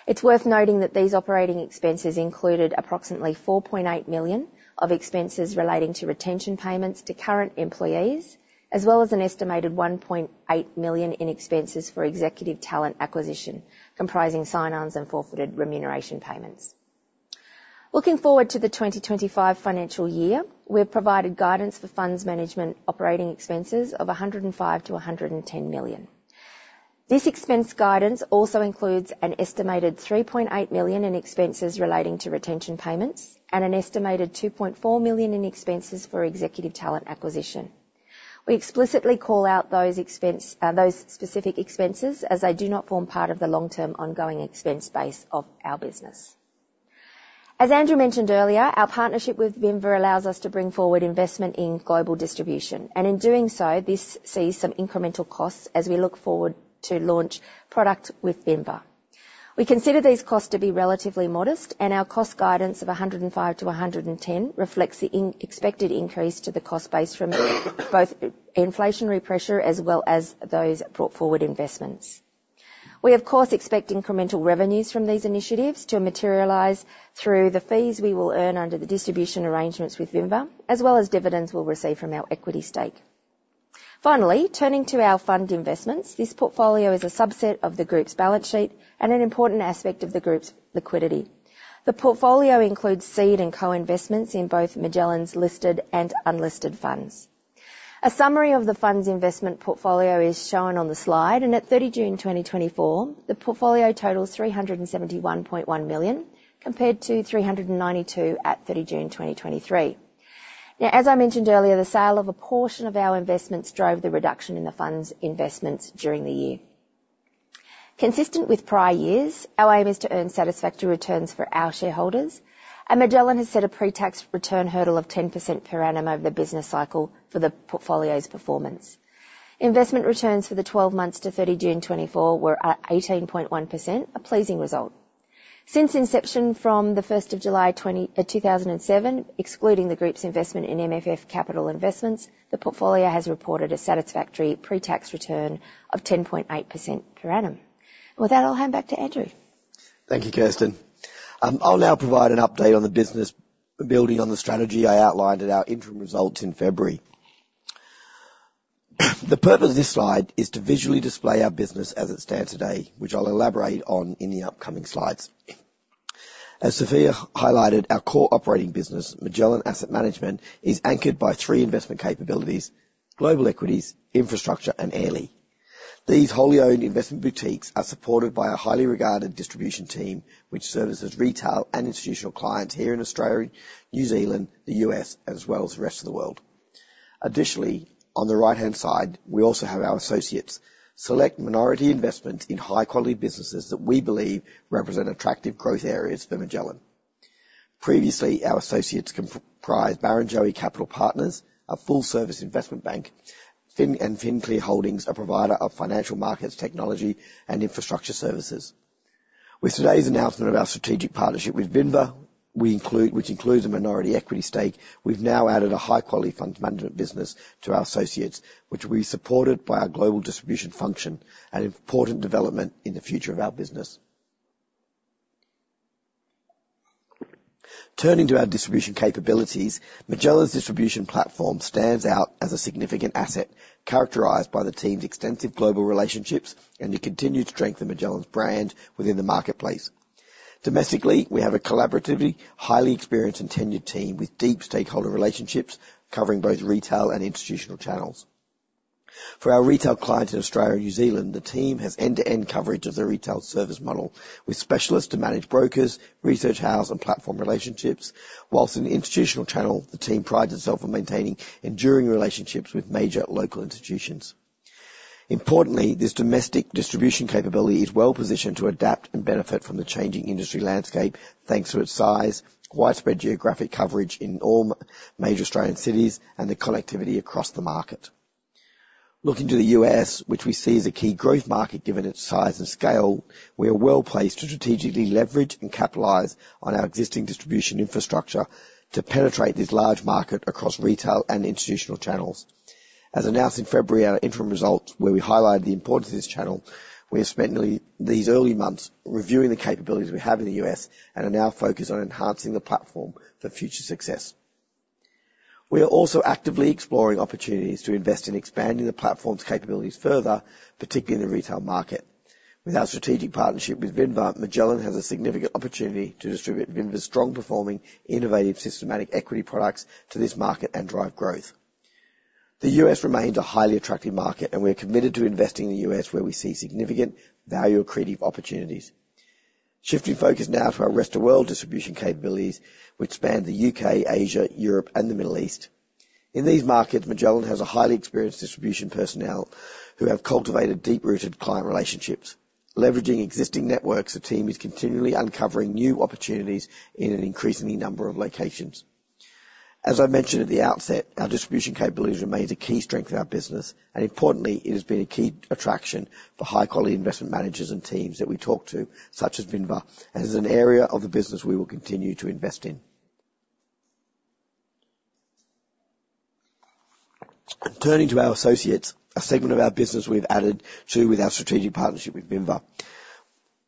It's worth noting that these operating expenses included approximately 4.8 million of expenses relating to retention payments to current employees, as well as an estimated 1.8 million in expenses for executive talent acquisition, comprising sign-ons and forfeited remuneration payments. Looking forward to the 2025 financial year, we have provided guidance for funds management operating expenses of 105 million-110 million. This expense guidance also includes an estimated 3.8 million in expenses relating to retention payments and an estimated 2.4 million in expenses for executive talent acquisition. We explicitly call out those expense, those specific expenses, as they do not form part of the long-term ongoing expense base of our business. As Andrew mentioned earlier, our partnership with Vinva allows us to bring forward investment in global distribution, and in doing so, this sees some incremental costs as we look forward to launch product with Vinva. We consider these costs to be relatively modest, and our cost guidance of 105 to 110 reflects the expected increase to the cost base from both inflationary pressure as well as those brought forward investments. We, of course, expect incremental revenues from these initiatives to materialize through the fees we will earn under the distribution arrangements with Vinva, as well as dividends we'll receive from our equity stake. Finally, turning to our fund investments, this portfolio is a subset of the group's balance sheet and an important aspect of the group's liquidity. The portfolio includes seed and co-investments in both Magellan's listed and unlisted funds. A summary of the funds investment portfolio is shown on the slide, and at 30 June 2024, the portfolio totals 371.1 million, compared to 392 million at 30 June 2023. Now, as I mentioned earlier, the sale of a portion of our investments drove the reduction in the fund's investments during the year. Consistent with prior years, our aim is to earn satisfactory returns for our shareholders, and Magellan has set a pre-tax return hurdle of 10% per annum over the business cycle for the portfolio's performance. Investment returns for the 12 months to 30 June 2024 were at 18.1%, a pleasing result. Since inception from the first of July 2007, excluding the group's investment in MFF Capital Investments, the portfolio has reported a satisfactory pre-tax return of 10.8% per annum. With that, I'll hand back to Andrew. Thank you, Kirsten. I'll now provide an update on the business, building on the strategy I outlined at our interim results in February. The purpose of this slide is to visually display our business as it stands today, which I'll elaborate on in the upcoming slides. As Sophia highlighted, our core operating business, Magellan Asset Management, is anchored by three investment capabilities: global equities, infrastructure, and Airlie. These wholly owned investment boutiques are supported by a highly regarded distribution team, which services retail and institutional clients here in Australia, New Zealand, the U.S., as well as the rest of the world. Additionally, on the right-hand side, we also have our associates. Select minority investment in high-quality businesses that we believe represent attractive growth areas for Magellan. Previously, our associates comprised Barrenjoey Capital Partners, a full-service investment bank, FinClear, a provider of financial markets, technology, and infrastructure services. With today's announcement of our strategic partnership with Vinva, which includes a minority equity stake, we've now added a high-quality fund management business to our associates, which will be supported by our global distribution function, an important development in the future of our business. Turning to our distribution capabilities, Magellan's distribution platform stands out as a significant asset, characterized by the team's extensive global relationships, and it continues to strengthen Magellan's brand within the marketplace. Domestically, we have a collaboratively highly experienced and tenured team with deep stakeholder relationships covering both retail and institutional channels. For our retail clients in Australia and New Zealand, the team has end-to-end coverage of the retail service model, with specialists to manage brokers, research house, and platform relationships. While in the institutional channel, the team prides itself on maintaining enduring relationships with major local institutions. Importantly, this domestic distribution capability is well-positioned to adapt and benefit from the changing industry landscape, thanks to its size, widespread geographic coverage in all major Australian cities, and the connectivity across the market. Looking to the U.S., which we see as a key growth market, given its size and scale, we are well-placed to strategically leverage and capitalize on our existing distribution infrastructure to penetrate this large market across retail and institutional channels. As announced in February, our interim results, where we highlighted the importance of this channel, we have spent nearly these early months reviewing the capabilities we have in the U.S. and are now focused on enhancing the platform for future success. We are also actively exploring opportunities to invest in expanding the platform's capabilities further, particularly in the retail market. With our strategic partnership with Vinva, Magellan has a significant opportunity to distribute Vinva's strong-performing, innovative, systematic equity products to this market and drive growth. The U.S. remains a highly attractive market, and we are committed to investing in the U.S., where we see significant value-creating opportunities. Shifting focus now to our rest of world distribution capabilities, which span the U.K., Asia, Europe, and the Middle East. In these markets, Magellan has a highly experienced distribution personnel who have cultivated deep-rooted client relationships. Leveraging existing networks, the team is continually uncovering new opportunities in an increasingly number of locations. As I mentioned at the outset, our distribution capabilities remains a key strength of our business, and importantly, it has been a key attraction for high-quality investment managers and teams that we talk to, such as Vinva, and is an area of the business we will continue to invest in. Turning to our associates, a segment of our business we've added to with our strategic partnership with Vinva.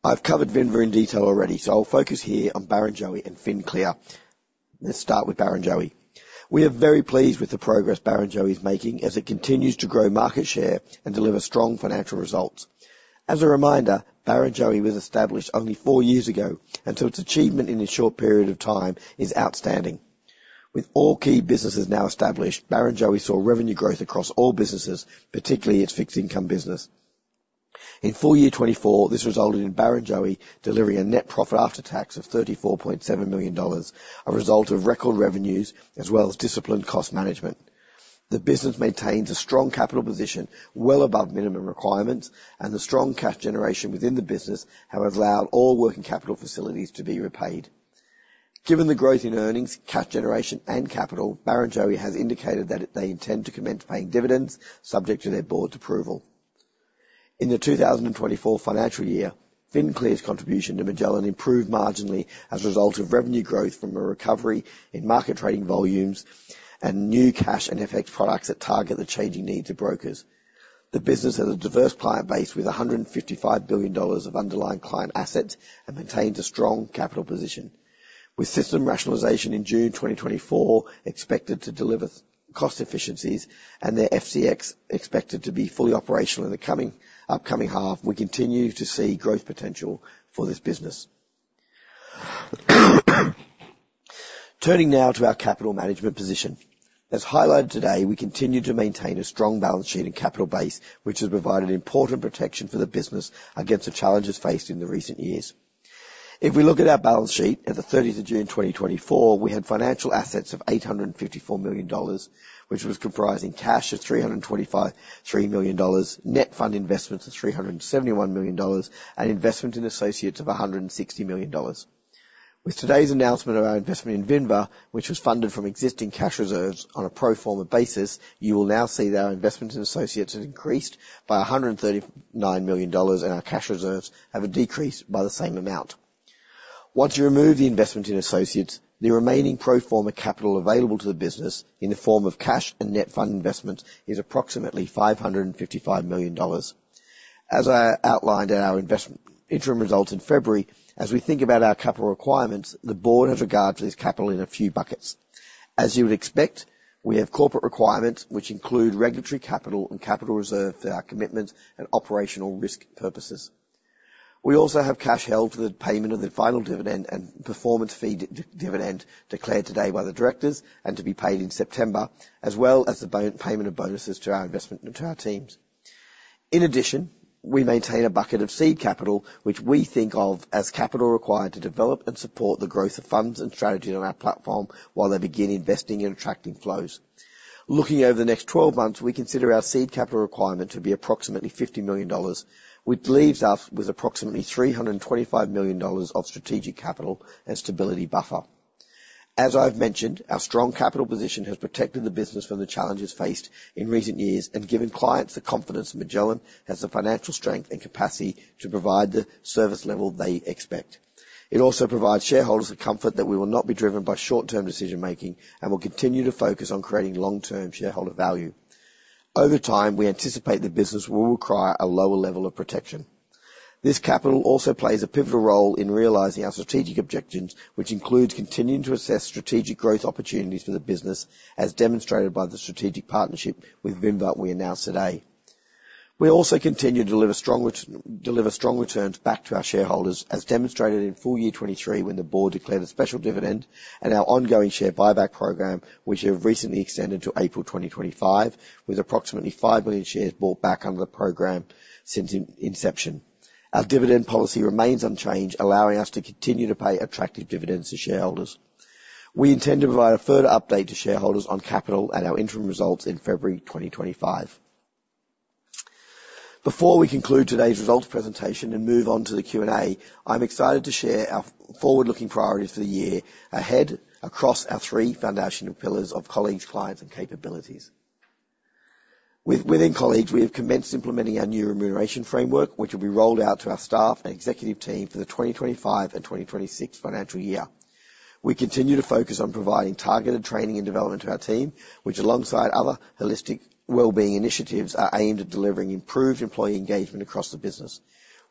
I've covered Vinva in detail already, so I'll focus here on Barrenjoey and FinClear. Let's start with Barrenjoey. We are very pleased with the progress Barrenjoey is making as it continues to grow market share and deliver strong financial results. As a reminder, Barrenjoey was established only four years ago, and so its achievement in a short period of time is outstanding. With all key businesses now established, Barrenjoey saw revenue growth across all businesses, particularly its fixed income business. In full year 2024, this resulted in Barrenjoey delivering a net profit after tax of 34.7 million dollars, a result of record revenues as well as disciplined cost management. The business maintains a strong capital position, well above minimum requirements, and the strong cash generation within the business, have allowed all working capital facilities to be repaid. Given the growth in earnings, cash generation, and capital, Barrenjoey has indicated that they intend to commence paying dividends subject to their board's approval. In the 2024 financial year, FinClear's contribution to Magellan improved marginally as a result of revenue growth from a recovery in market trading volumes and new cash and FX products that target the changing needs of brokers. The business has a diverse client base with 155 billion dollars of underlying client assets and maintains a strong capital position. With system rationalization in June 2024 expected to deliver cost efficiencies and their FCX expected to be fully operational in the coming, upcoming half, we continue to see growth potential for this business. Turning now to our capital management position. As highlighted today, we continue to maintain a strong balance sheet and capital base, which has provided important protection for the business against the challenges faced in the recent years. If we look at our balance sheet, at the 30th of June 2024, we had financial assets of 854 million dollars, which was comprising cash of 325.3 million dollars, net fund investments of 371 million dollars, and investment in associates of 160 million dollars. With today's announcement of our investment in Vinva, which was funded from existing cash reserves on a pro forma basis, you will now see that our investment in associates has increased by 139 million dollars, and our cash reserves have decreased by the same amount. Once you remove the investment in associates, the remaining pro forma capital available to the business in the form of cash and net fund investment is approximately 555 million dollars. As I outlined in our investment interim results in February, as we think about our capital requirements, the board has regarded this capital in a few buckets. As you would expect, we have corporate requirements, which include regulatory capital and capital reserve for our commitment and operational risk purposes. We also have cash held for the payment of the final dividend and performance fee dividend declared today by the directors and to be paid in September, as well as the bonus payment of bonuses to our investment teams. In addition, we maintain a bucket of seed capital, which we think of as capital required to develop and support the growth of funds and strategy on our platform while they begin investing and attracting flows. Looking over the next 12 months, we consider our seed capital requirement to be approximately 50 million dollars, which leaves us with approximately 325 million dollars of strategic capital and stability buffer. As I've mentioned, our strong capital position has protected the business from the challenges faced in recent years and given clients the confidence Magellan has the financial strength and capacity to provide the service level they expect. It also provides shareholders the comfort that we will not be driven by short-term decision-making and will continue to focus on creating long-term shareholder value. Over time, we anticipate the business will require a lower level of protection. This capital also plays a pivotal role in realizing our strategic objectives, which includes continuing to assess strategic growth opportunities for the business, as demonstrated by the strategic partnership with Vinva we announced today.... We also continue to deliver strong returns back to our shareholders, as demonstrated in full year 2023, when the board declared a special dividend and our ongoing share buyback program, which we have recently extended to April 2025, with approximately 5 million shares bought back under the program since inception. Our dividend policy remains unchanged, allowing us to continue to pay attractive dividends to shareholders. We intend to provide a further update to shareholders on capital at our interim results in February 2025. Before we conclude today's results presentation and move on to the Q&A, I'm excited to share our forward-looking priorities for the year ahead across our three foundational pillars of colleagues, clients, and capabilities. Within colleagues, we have commenced implementing our new remuneration framework, which will be rolled out to our staff and executive team for the 2025 and 2026 financial year. We continue to focus on providing targeted training and development to our team, which, alongside other holistic well-being initiatives, are aimed at delivering improved employee engagement across the business.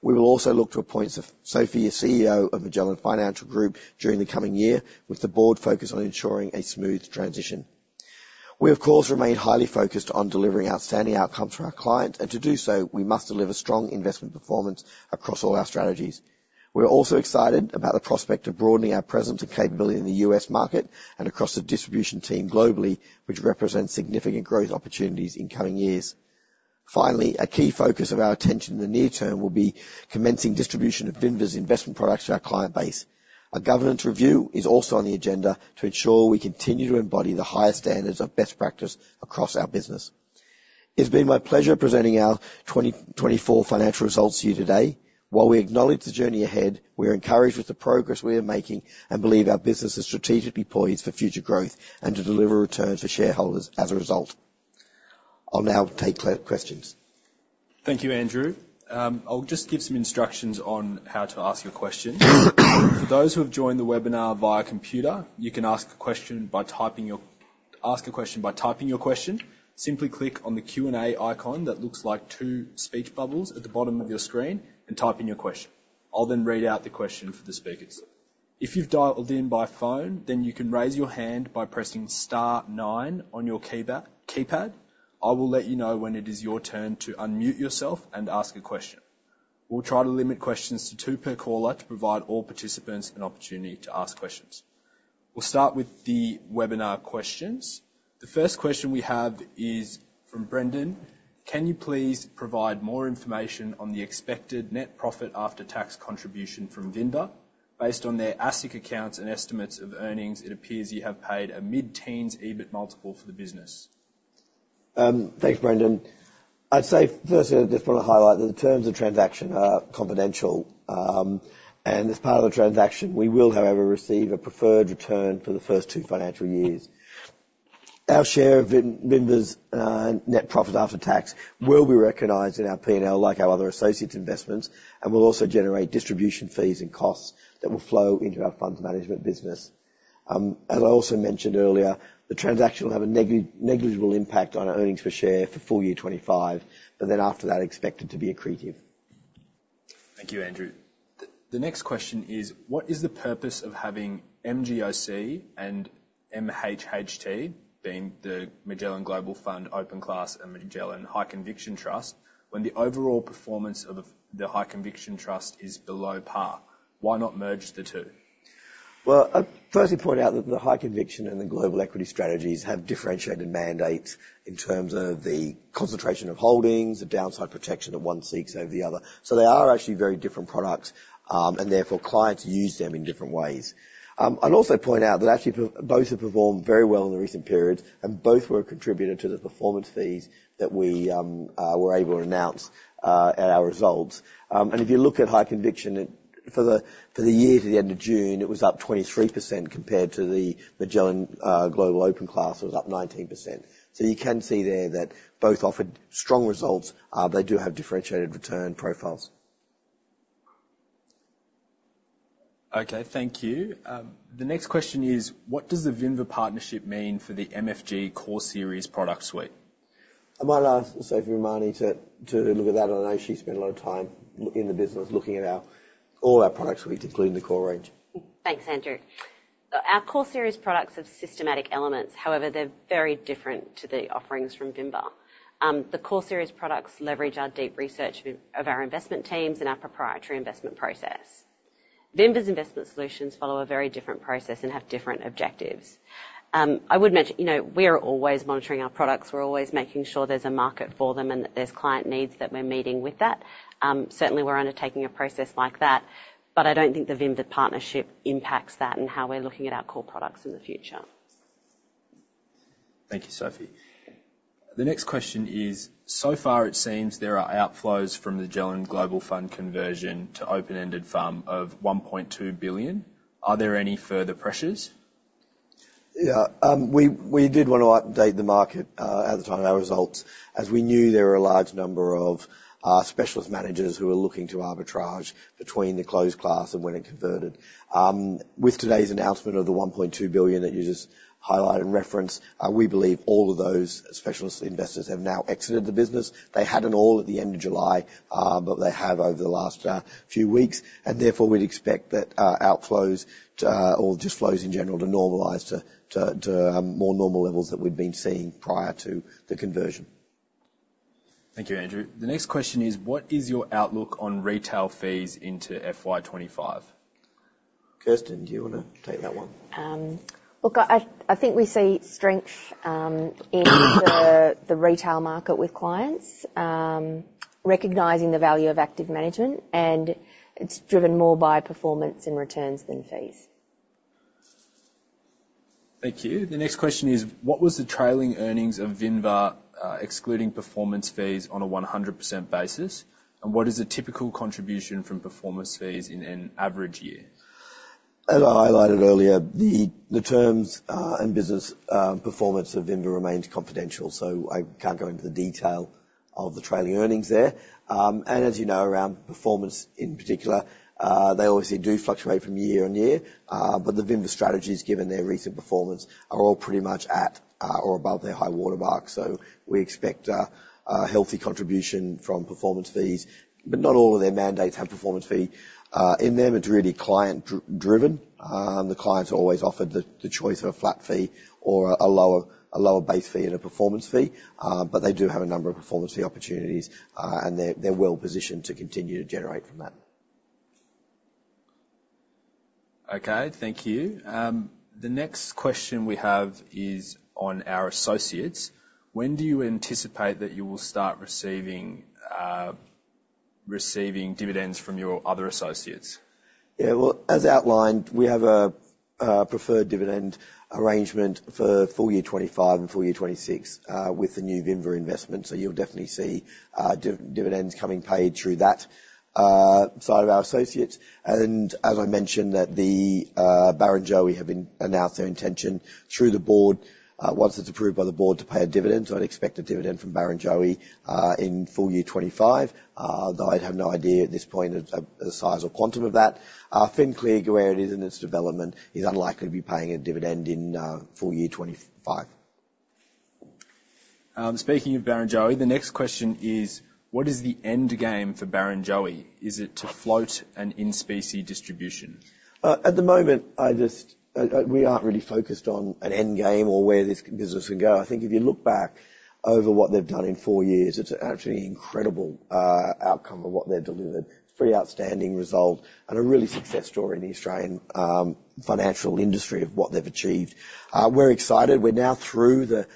We will also look to appoint Sophie as CEO of Magellan Financial Group during the coming year, with the board focused on ensuring a smooth transition. We, of course, remain highly focused on delivering outstanding outcomes for our clients, and to do so, we must deliver strong investment performance across all our strategies. We're also excited about the prospect of broadening our presence and capability in the U.S. market and across the distribution team globally, which represents significant growth opportunities in coming years. Finally, a key focus of our attention in the near term will be commencing distribution of Vinva's investment products to our client base. A governance review is also on the agenda to ensure we continue to embody the highest standards of best practice across our business. It's been my pleasure presenting our 2024 financial results to you today. While we acknowledge the journey ahead, we are encouraged with the progress we are making and believe our business is strategically poised for future growth and to deliver returns for shareholders as a result. I'll now take questions. Thank you, Andrew. I'll just give some instructions on how to ask a question. For those who have joined the webinar via computer, you can ask a question. Ask a question by typing your question. Simply click on the Q&A icon that looks like two speech bubbles at the bottom of your screen and type in your question. I'll then read out the question for the speakers. If you've dialed in by phone, then you can raise your hand by pressing star nine on your keypad. I will let you know when it is your turn to unmute yourself and ask a question. We'll try to limit questions to two per caller to provide all participants an opportunity to ask questions. We'll start with the webinar questions. The first question we have is from Brendan: Can you please provide more information on the expected net profit after tax contribution from Vinva? Based on their ASIC accounts and estimates of earnings, it appears you have paid a mid-teens EBIT multiple for the business. Thanks, Brendan. I'd say, firstly, I just wanna highlight that the terms of the transaction are confidential. And as part of the transaction, we will, however, receive a preferred return for the first two financial years. Our share of Vinva's net profit after tax will be recognized in our P&L, like our other associate investments, and will also generate distribution fees and costs that will flow into our funds management business. As I also mentioned earlier, the transaction will have a negligible impact on our earnings per share for full year 2025, but then after that, expected to be accretive. Thank you, Andrew. The next question is: What is the purpose of having MGOC and MHHT, being the Magellan Global Fund Open Class and Magellan High Conviction Trust, when the overall performance of the High Conviction Trust is below par? Why not merge the two? Well, I'd firstly point out that the High Conviction and the Global Equity strategies have differentiated mandates in terms of the concentration of holdings, the downside protection that one seeks over the other. So they are actually very different products, and therefore, clients use them in different ways. I'd also point out that actually, both have performed very well in the recent periods, and both were a contributor to the performance fees that we were able to announce at our results. And if you look at High Conviction. For the, for the year to the end of June, it was up 23%, compared to the Magellan Global Open Class, it was up 19%. So you can see there that both offered strong results. They do have differentiated return profiles. Okay, thank you. The next question is: What does the Vinva partnership mean for the MFG Core Series product suite? I might ask Sophia Rahmani to look at that. I know she spent a lot of time in the business, looking at all our product suite, including the Core range. Thanks, Andrew. Our Core series products have systematic elements. However, they're very different to the offerings from Vinva. The Core series products leverage our deep research of our investment teams and our proprietary investment process. Vinva's investment solutions follow a very different process and have different objectives. I would mention, you know, we are always monitoring our products. We're always making sure there's a market for them and that there's client needs that we're meeting with that. Certainly, we're undertaking a process like that, but I don't think the Vinva partnership impacts that and how we're looking at our core products in the future. Thank you, Sophie. The next question is: So far, it seems there are outflows from Magellan Global Fund conversion to open-ended form of 1.2 billion. Are there any further pressures? Yeah, we, we did want to update the market at the time of our results, as we knew there were a large number of specialist managers who were looking to arbitrage between the closed class and when it converted. With today's announcement of the 1.2 billion that you just highlighted and referenced, we believe all of those specialist investors have now exited the business. They hadn't all at the end of July, but they have over the last few weeks, and therefore, we'd expect that outflows to, or just flows in general to normalize to more normal levels that we've been seeing prior to the conversion. Thank you, Andrew. The next question is: What is your outlook on retail fees into FY 25? Kirsten, do you wanna take that one? Look, I think we see strength in the retail market with clients recognizing the value of active management, and it's driven more by performance and returns than fees. Thank you. The next question is: what was the trailing earnings of Vinva, excluding performance fees on a 100% basis? And what is the typical contribution from performance fees in an average year? As I highlighted earlier, the terms and business performance of Vinva remains confidential, so I can't go into the detail of the trailing earnings there. And as you know, around performance, in particular, they obviously do fluctuate from year on year. But the Vinva strategies, given their recent performance, are all pretty much at or above their high watermark. So we expect a healthy contribution from performance fees, but not all of their mandates have performance fee in them, it's really client-driven. The clients are always offered the choice of a flat fee or a lower base fee and a performance fee. But they do have a number of performance fee opportunities, and they're well positioned to continue to generate from that. Okay, thank you. The next question we have is on our associates: when do you anticipate that you will start receiving dividends from your other associates? Yeah, well, as outlined, we have a preferred dividend arrangement for full year 2025 and full year 2026 with the new Vinva investment. So you'll definitely see dividends coming paid through that side of our associates. And as I mentioned, the Barrenjoey have announced their intention through the board, once it's approved by the board, to pay a dividend. So I'd expect a dividend from Barrenjoey in full year 2025. Though I'd have no idea at this point of the size or quantum of that. FinClear, where it is in its development, is unlikely to be paying a dividend in full year 2025. Speaking of Barrenjoey, the next question is: what is the end game for Barrenjoey? Is it to float an in-specie distribution? At the moment, I just, we aren't really focused on an end game or where this business can go. I think if you look back over what they've done in four years, it's an absolutely incredible outcome of what they've delivered. It's a pretty outstanding result and a really success story in the Australian financial industry of what they've achieved. We're excited. We're now through the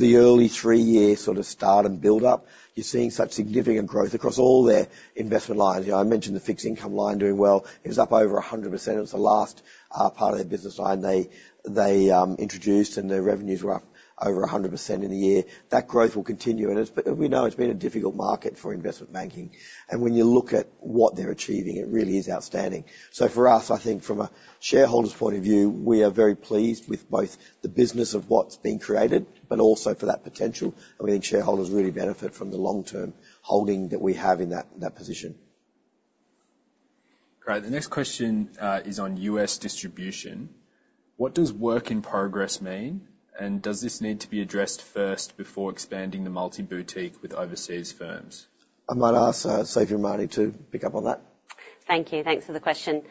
early three-year sort of start and build-up. You're seeing such significant growth across all their investment lines. You know, I mentioned the fixed income line doing well. It was up over 100%. It was the last part of their business line they introduced, and their revenues were up over 100% in the year. That growth will continue, and it's, we know it's been a difficult market for investment banking. When you look at what they're achieving, it really is outstanding. So for us, I think from a shareholder's point of view, we are very pleased with both the business of what's being created, but also for that potential. And we think shareholders really benefit from the long-term holding that we have in that, that position. Great. The next question is on U.S. distribution: what does work in progress mean, and does this need to be addressed first before expanding the multi-boutique with overseas firms? I might ask, Sophia Rahmani to pick up on that. Thank you. Thanks for the question.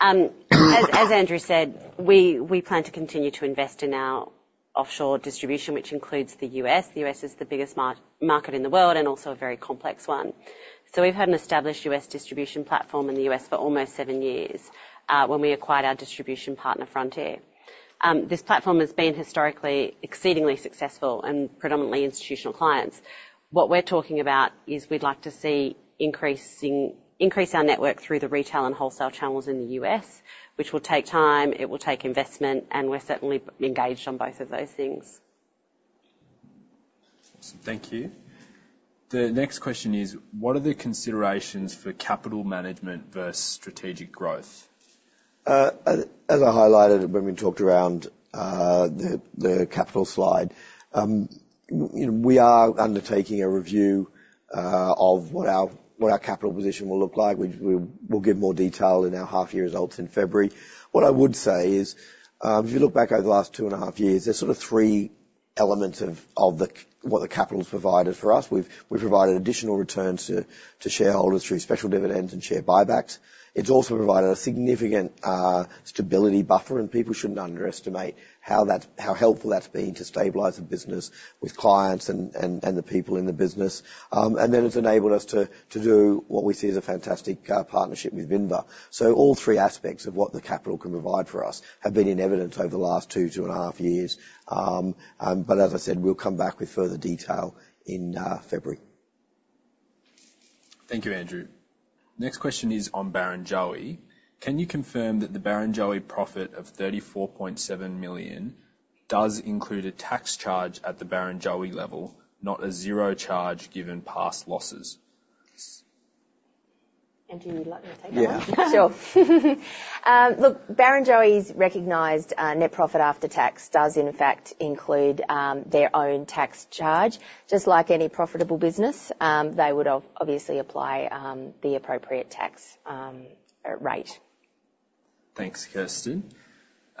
As Andrew said, we plan to continue to invest in our offshore distribution, which includes the U.S. The U.S. is the biggest market in the world and also a very complex one. So we've had an established U.S. distribution platform in the U.S. for almost seven years, when we acquired our distribution partner, Frontier. This platform has been historically exceedingly successful and predominantly institutional clients. What we're talking about is we'd like to increase our network through the retail and wholesale channels in the U.S., which will take time, it will take investment, and we're certainly engaged on both of those things. Thank you. The next question is: What are the considerations for capital management versus strategic growth? As I highlighted when we talked around the capital slide. You know, we are undertaking a review of what our capital position will look like. We'll give more detail in our half-year results in February. What I would say is, if you look back over the last 2.5 years, there's sort of 3 elements of what the capital's provided for us. We've provided additional returns to shareholders through special dividends and share buybacks. It's also provided a significant stability buffer, and people shouldn't underestimate how helpful that's been to stabilize the business with clients and the people in the business. And then it's enabled us to do what we see as a fantastic partnership with Vinva. So all three aspects of what the capital can provide for us have been in evidence over the last 2, 2.5 years. But as I said, we'll come back with further detail in February. Thank you, Andrew. Next question is on Barrenjoey: can you confirm that the Barrenjoey profit of 34.7 million does include a tax charge at the Barrenjoey level, not a zero charge, given past losses? Andrew, would you like me to take that one? Yeah. Sure. Look, Barrenjoey's recognized net profit after tax does, in fact, include their own tax charge. Just like any profitable business, they would obviously apply the appropriate tax rate. Thanks, Kirsten.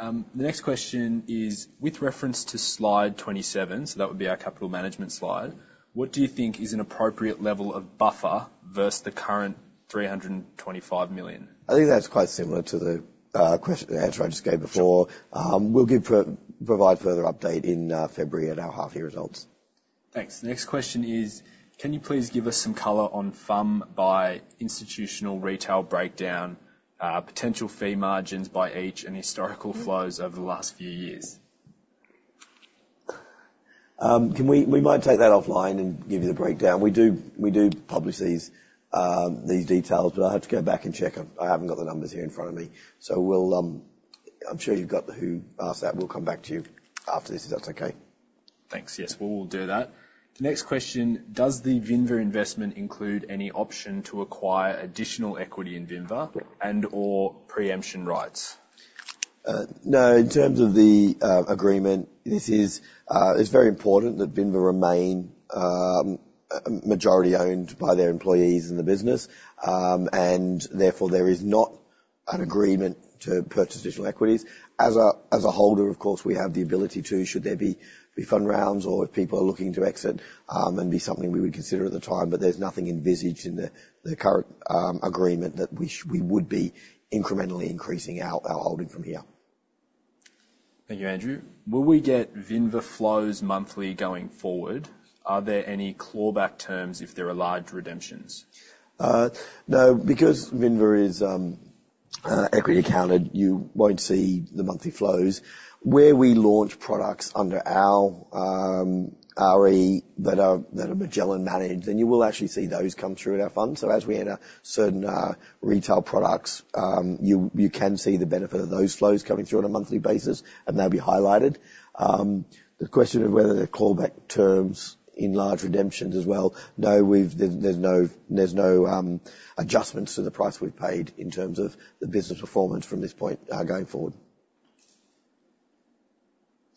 The next question is: with reference to slide 27, so that would be our capital management slide. What do you think is an appropriate level of buffer versus the current 325 million? I think that's quite similar to the answer I just gave before. Sure. We'll provide further update in February at our half year results. Thanks. The next question is: Can you please give us some color on FUM by institutional retail breakdown, potential fee margins by each, and historical flows over the last few years? Can we take that offline and give you the breakdown. We do, we do publish these, these details, but I'll have to go back and check them. I haven't got the numbers here in front of me, so we'll. I'm sure you've got the who asked that. We'll come back to you after this, if that's okay. Thanks. Yes, we'll do that. The next question: does the Vinva investment include any option to acquire additional equity in Vinva and or preemption rights? No. In terms of the agreement, this is, it's very important that Vinva remain majority owned by their employees in the business. And therefore, there is not an agreement to purchase additional equities. As a holder, of course, we have the ability to, should there be funding rounds or if people are looking to exit, and be something we would consider at the time. But there's nothing envisaged in the current agreement that we would be incrementally increasing our holding from here. Thank you, Andrew. Will we get Vinva flows monthly going forward? Are there any clawback terms if there are large redemptions? No, because Vinva is equity accounted, you won't see the monthly flows. Where we launch products under our RE, that are Magellan managed, then you will actually see those come through in our funds. So as we enter certain retail products, you can see the benefit of those flows coming through on a monthly basis, and they'll be highlighted. The question of whether they're clawback terms in large redemptions as well, no, we've-- there's no adjustments to the price we've paid in terms of the business performance from this point, going forward.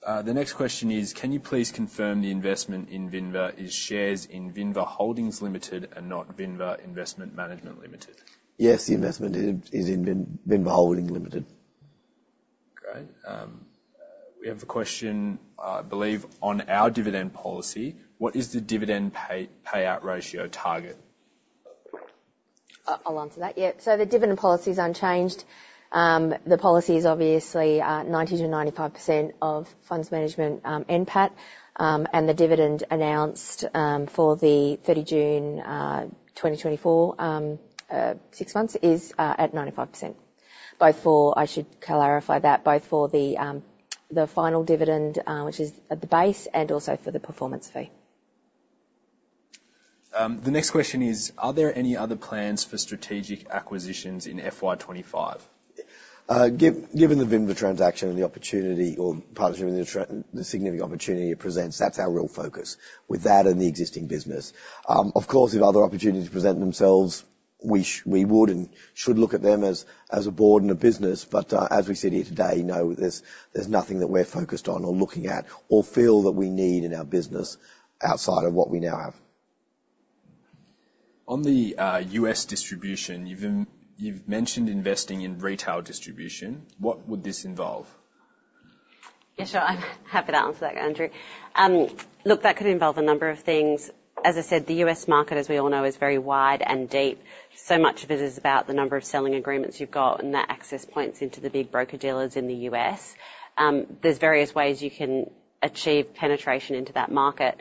The next question is: Can you please confirm the investment in Vinva is shares in Vinva Holdings Limited and not Vinva Investment Management Limited? Yes, the investment is in Vinva Holdings Limited. Great. We have a question, I believe, on our dividend policy. What is the dividend payout ratio target? I'll answer that, yeah. So the dividend policy is unchanged. The policy is obviously 90%-95% of funds management NPAT. And the dividend announced for the 30 June 2024 six months is at 95%. By for... I should clarify that, both for the final dividend, which is at the base and also for the performance fee. The next question is: are there any other plans for strategic acquisitions in FY 2025? Given the Vinva transaction and the opportunity or partnership, and the significant opportunity it presents, that's our real focus with that and the existing business. Of course, if other opportunities present themselves, we would and should look at them as a board and a business. But, as we said here today, no, there's nothing that we're focused on or looking at or feel that we need in our business outside of what we now have. On the U.S. distribution, you've mentioned investing in retail distribution. What would this involve? Yeah, sure. I'm happy to answer that, Andrew. Look, that could involve a number of things. As I said, the U.S. market, as we all know, is very wide and deep. So much of it is about the number of selling agreements you've got and that access points into the big broker-dealers in the U.S. There's various ways you can achieve penetration into that market,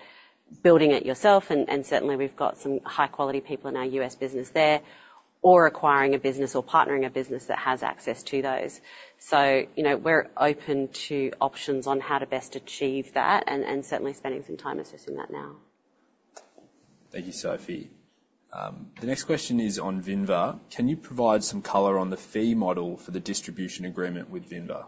building it yourself, and certainly we've got some high-quality people in our U.S. business there, or acquiring a business or partnering a business that has access to those. So, you know, we're open to options on how to best achieve that and certainly spending some time assessing that now. Thank you, Sophie. The next question is on Vinva: can you provide some color on the fee model for the distribution agreement with Vinva?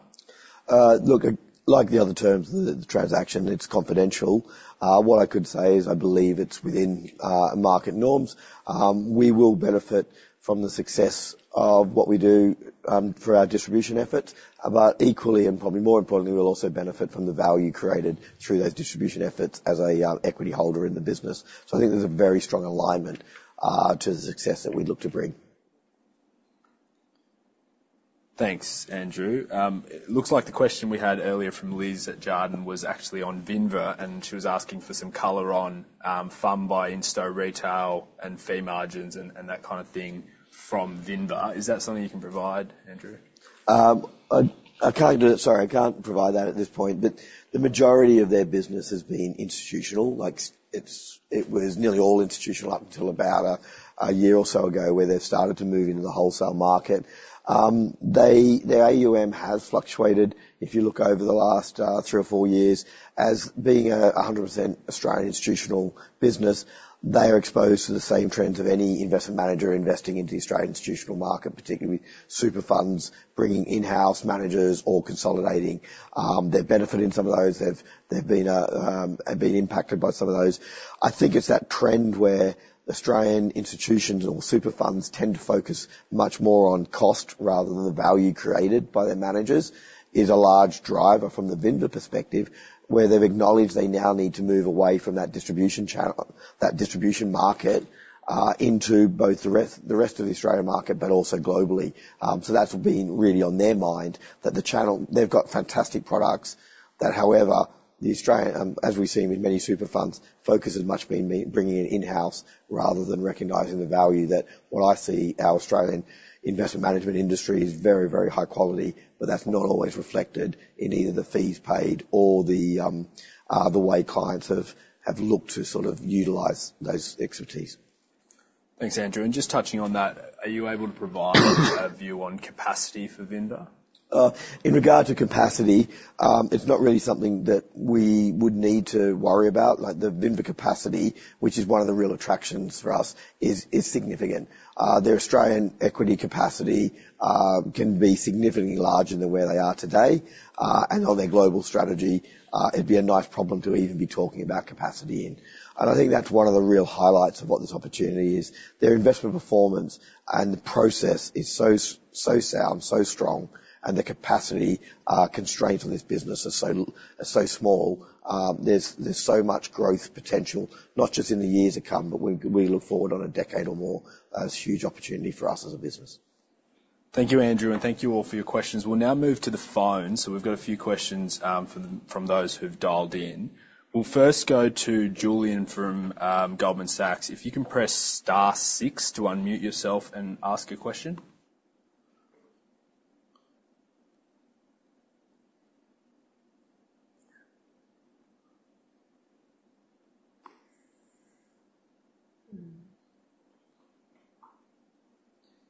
Look, like the other terms of the, the transaction, it's confidential. What I could say is I believe it's within, market norms. We will benefit from the success of what we do, through our distribution efforts. But equally, and probably more importantly, we'll also benefit from the value created through those distribution efforts as a, equity holder in the business. So I think there's a very strong alignment, to the success that we look to bring. Thanks, Andrew. It looks like the question we had earlier from Liz at Jarden was actually on Vinva, and she was asking for some color on FUM by institutional, retail, and fee margins, and that kind of thing from Vinva. Is that something you can provide, Andrew? I can't do it. Sorry, I can't provide that at this point, but the majority of their business has been institutional, like it's, it was nearly all institutional up until about a year or so ago, where they've started to move into the wholesale market. Their AUM has fluctuated. If you look over the last three or four years as being 100% Australian institutional business, they are exposed to the same trends of any investment manager investing into the Australian institutional market, particularly super funds, bringing in-house managers or consolidating. They've benefited some of those. They've been impacted by some of those. I think it's that trend where Australian institutions or super funds tend to focus much more on cost rather than the value created by their managers, is a large driver from the Vinva perspective, where they've acknowledged they now need to move away from that distribution channel, that distribution market, into both the rest of the Australian market, but also globally. So that's been really on their mind, that the channel. They've got fantastic products that, however, the Australian, as we've seen with many super funds, focus has much been bringing in in-house rather than recognizing the value that what I see our Australian investment management industry is very, very high quality, but that's not always reflected in either the fees paid or the, the way clients have looked to sort of utilize those expertise. Thanks, Andrew. Just touching on that, are you able to provide a view on capacity for Vinva? In regard to capacity, it's not really something that we would need to worry about. Like, the Vinva capacity, which is one of the real attractions for us, is significant. Their Australian equity capacity can be significantly larger than where they are today. And on their global strategy, it'd be a nice problem to even be talking about capacity. And I think that's one of the real highlights of what this opportunity is. Their investment performance and the process is so sound, so strong, and the capacity constraints on this business are so small. There's so much growth potential, not just in the years to come, but when we look forward on a decade or more, it's a huge opportunity for us as a business. Thank you, Andrew, and thank you all for your questions. We'll now move to the phone. So we've got a few questions from those who've dialed in. We'll first go to Julian from Goldman Sachs. If you can press star six to unmute yourself and ask your question.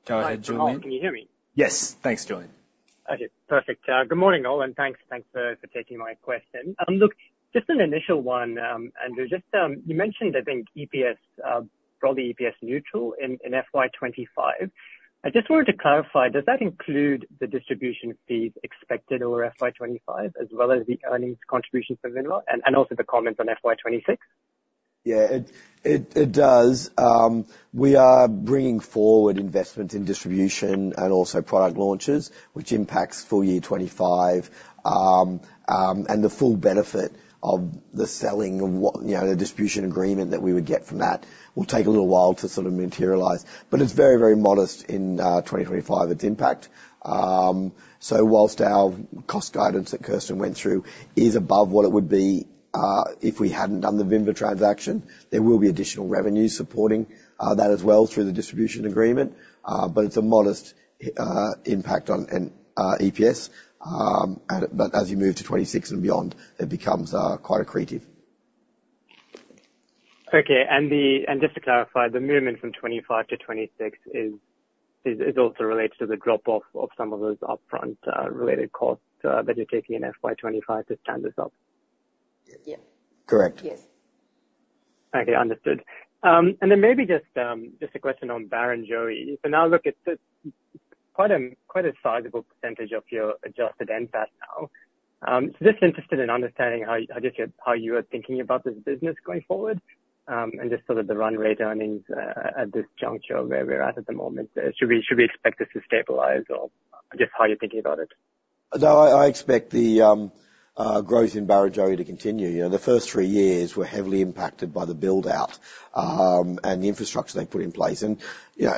Go ahead, Julian. Hi, can you hear me? Yes. Thanks, Julian. Okay, perfect. Good morning, all, and thanks, thanks for, for taking my question. Look, just an initial one, Andrew, just, you mentioned, I think, EPS, probably EPS neutral in, in FY 25. I just wanted to clarify, does that include the distribution fees expected over FY 25, as well as the earnings contribution from Vinva and, and also the comments on FY 26? Yeah, it does. We are bringing forward investment in distribution and also product launches, which impacts full year 2025. And the full benefit of the selling of what you know, the distribution agreement that we would get from that will take a little while to sort of materialize, but it's very, very modest in 2025, its impact. So whilst our cost guidance that Kirsten went through is above what it would be if we hadn't done the Vinva transaction, there will be additional revenue supporting that as well through the distribution agreement. But it's a modest impact on EPS. But as you move to 2026 and beyond, it becomes quite accretive. Okay. And just to clarify, the movement from 25 to 26 is also related to the drop-off of some of those upfront related costs that you're taking in FY 25 to stand this up? Yeah. Correct. Yes. Okay, understood. And then maybe just a question on Barrenjoey. So now look, it's quite a sizable percentage of your adjusted NPAT now. So just interested in understanding how you are thinking about this business going forward, and just sort of the run rate earnings at this juncture where we're at the moment. Should we expect this to stabilize or just how you're thinking about it? So I expect the growth in Barrenjoey to continue. You know, the first three years were heavily impacted by the build-out, and the infrastructure they put in place. You know,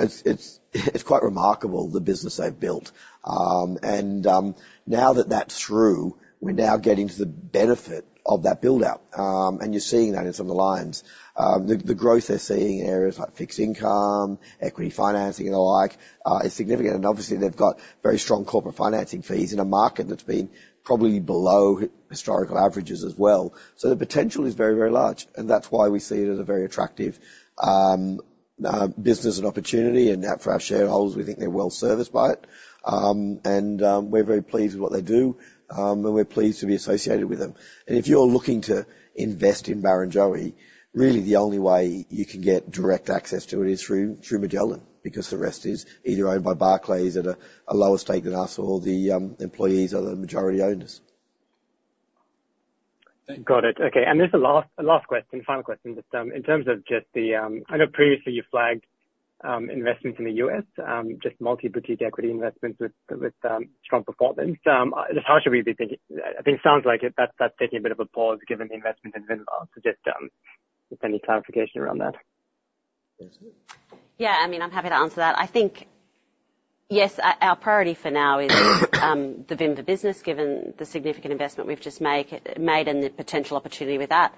it's quite remarkable, the business they've built. And now that that's through, we're now getting to the benefit of that build-out, and you're seeing that in some of the lines. The growth they're seeing in areas like fixed income, equity financing, and the like is significant. And obviously, they've got very strong corporate financing fees in a market that's been probably below historical averages as well. So the potential is very, very large, and that's why we see it as a very attractive business and opportunity. And for our shareholders, we think they're well-serviced by it. We're very pleased with what they do, and we're pleased to be associated with them. If you're looking to invest in Barrenjoey, really the only way you can get direct access to it is through Magellan, because the rest is either owned by Barclays at a lower stake than us, or the employees are the majority owners. Got it. Okay. And there's a last, last question, final question. Just, in terms of just the, I know previously you flagged, investments in the U.S., just multi-boutique equity investments with, with, strong performance. Just how should we be thinking? I think it sounds like it, that's, that's taking a bit of a pause given the investment in Vinva. So just, if any clarification around that? Kirsten? Yeah, I mean, I'm happy to answer that. I think, yes, our priority for now is the Vinva business, given the significant investment we've just make, made and the potential opportunity with that.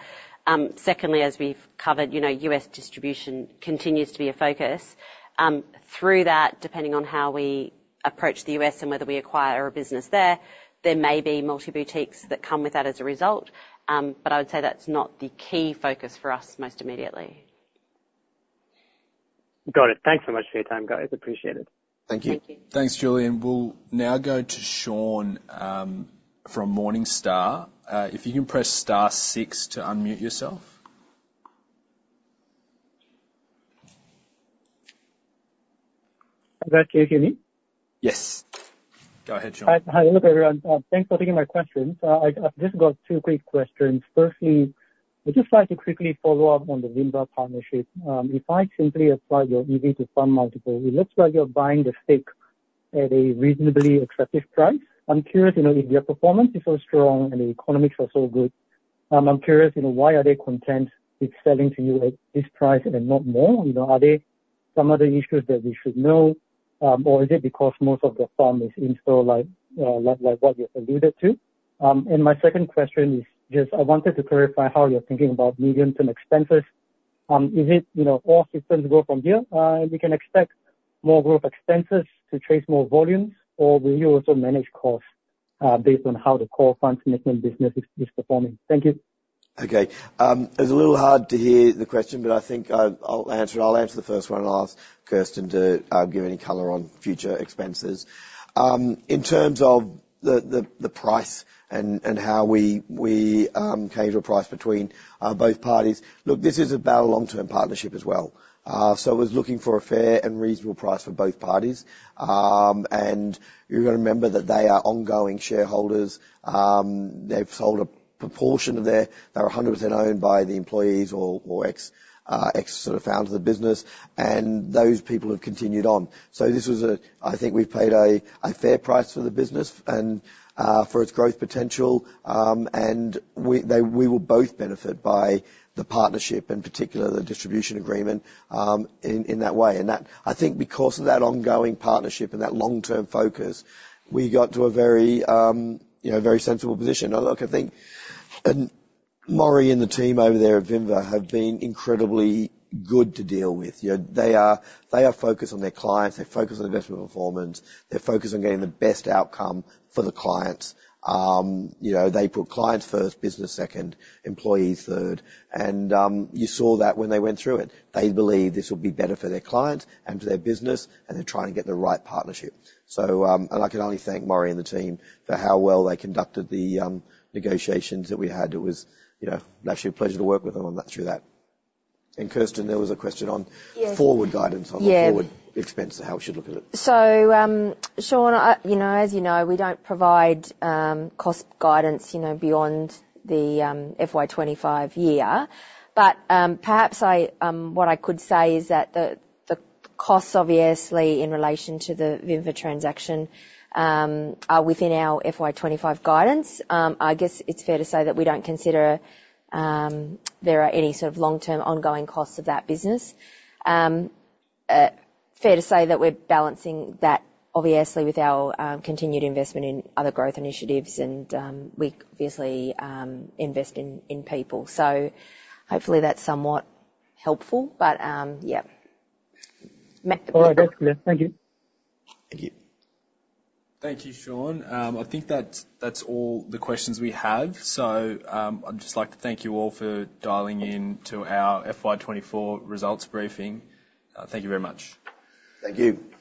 Secondly, as we've covered, you know, U.S. distribution continues to be a focus. Through that, depending on how we approach the U.S. and whether we acquire a business there, there may be multi-boutiques that come with that as a result. But I would say that's not the key focus for us most immediately. Got it. Thanks so much for your time, guys. Appreciate it. Thank you. Thank you. Thanks, Julian. We'll now go to Shaun from Morningstar. If you can press star six to unmute yourself. Hi, can you hear me? Yes. Go ahead, Shaun. Hi. Hi, look, everyone, thanks for taking my questions. I've just got two quick questions. Firstly, I'd just like to quickly follow up on the Vinva partnership. If I simply apply your EV to FUM multiple, it looks like you're buying the stake at a reasonably expensive price. I'm curious, you know, if their performance is so strong and the economics are so good, I'm curious, you know, why are they content with selling to you at this price and not more? You know, are there some other issues that we should know, or is it because most of the fund is in-store, like, like what you alluded to? And my second question is just I wanted to clarify how you're thinking about medium-term expenses. Is it, you know, all systems go from here, we can expect more growth expenses to chase more volumes, or will you also manage costs based on how the core fund management business is performing? Thank you. Okay, it's a little hard to hear the question, but I think I'll answer it. I'll answer the first one and I'll ask Kirsten to give any color on future expenses. In terms of the price and how we came to a price between both parties. Look, this is about a long-term partnership as well. So it was looking for a fair and reasonable price for both parties. And you've got to remember that they are ongoing shareholders. They've sold a proportion of their—they're 100% owned by the employees or ex sort of founders of the business, and those people have continued on. So this was a—I think we've paid a fair price for the business and for its growth potential. We will both benefit by the partnership, in particular, the distribution agreement, in that way. And that I think because of that ongoing partnership and that long-term focus, we got to a very, you know, very sensible position. Now, look, I think, and Morry and the team over there at Vinva have been incredibly good to deal with. You know, they are focused on their clients. They're focused on investment performance. They're focused on getting the best outcome for the clients. You know, they put clients first, business second, employees third, and you saw that when they went through it. They believe this will be better for their clients and for their business, and they're trying to get the right partnership. So, and I can only thank Morry and the team for how well they conducted the negotiations that we had. It was, you know, actually a pleasure to work with them on that, through that. And, Kirsten, there was a question on- Yes. -forward guidance- Yeah. on the forward expense, how we should look at it. So, Sean, you know, as you know, we don't provide cost guidance, you know, beyond the FY25 year. But perhaps I, what I could say is that the costs, obviously, in relation to the Vinva transaction, are within our FY25 guidance. I guess it's fair to say that we don't consider there are any sort of long-term ongoing costs of that business. Fair to say that we're balancing that obviously with our continued investment in other growth initiatives and we obviously invest in people. So hopefully that's somewhat helpful, but yeah. Matt... All right. Thank you. Thank you. Thank you, Sean. I think that's all the questions we have. So, I'd just like to thank you all for dialing in to our FY 24 results briefing. Thank you very much. Thank you. Thank you.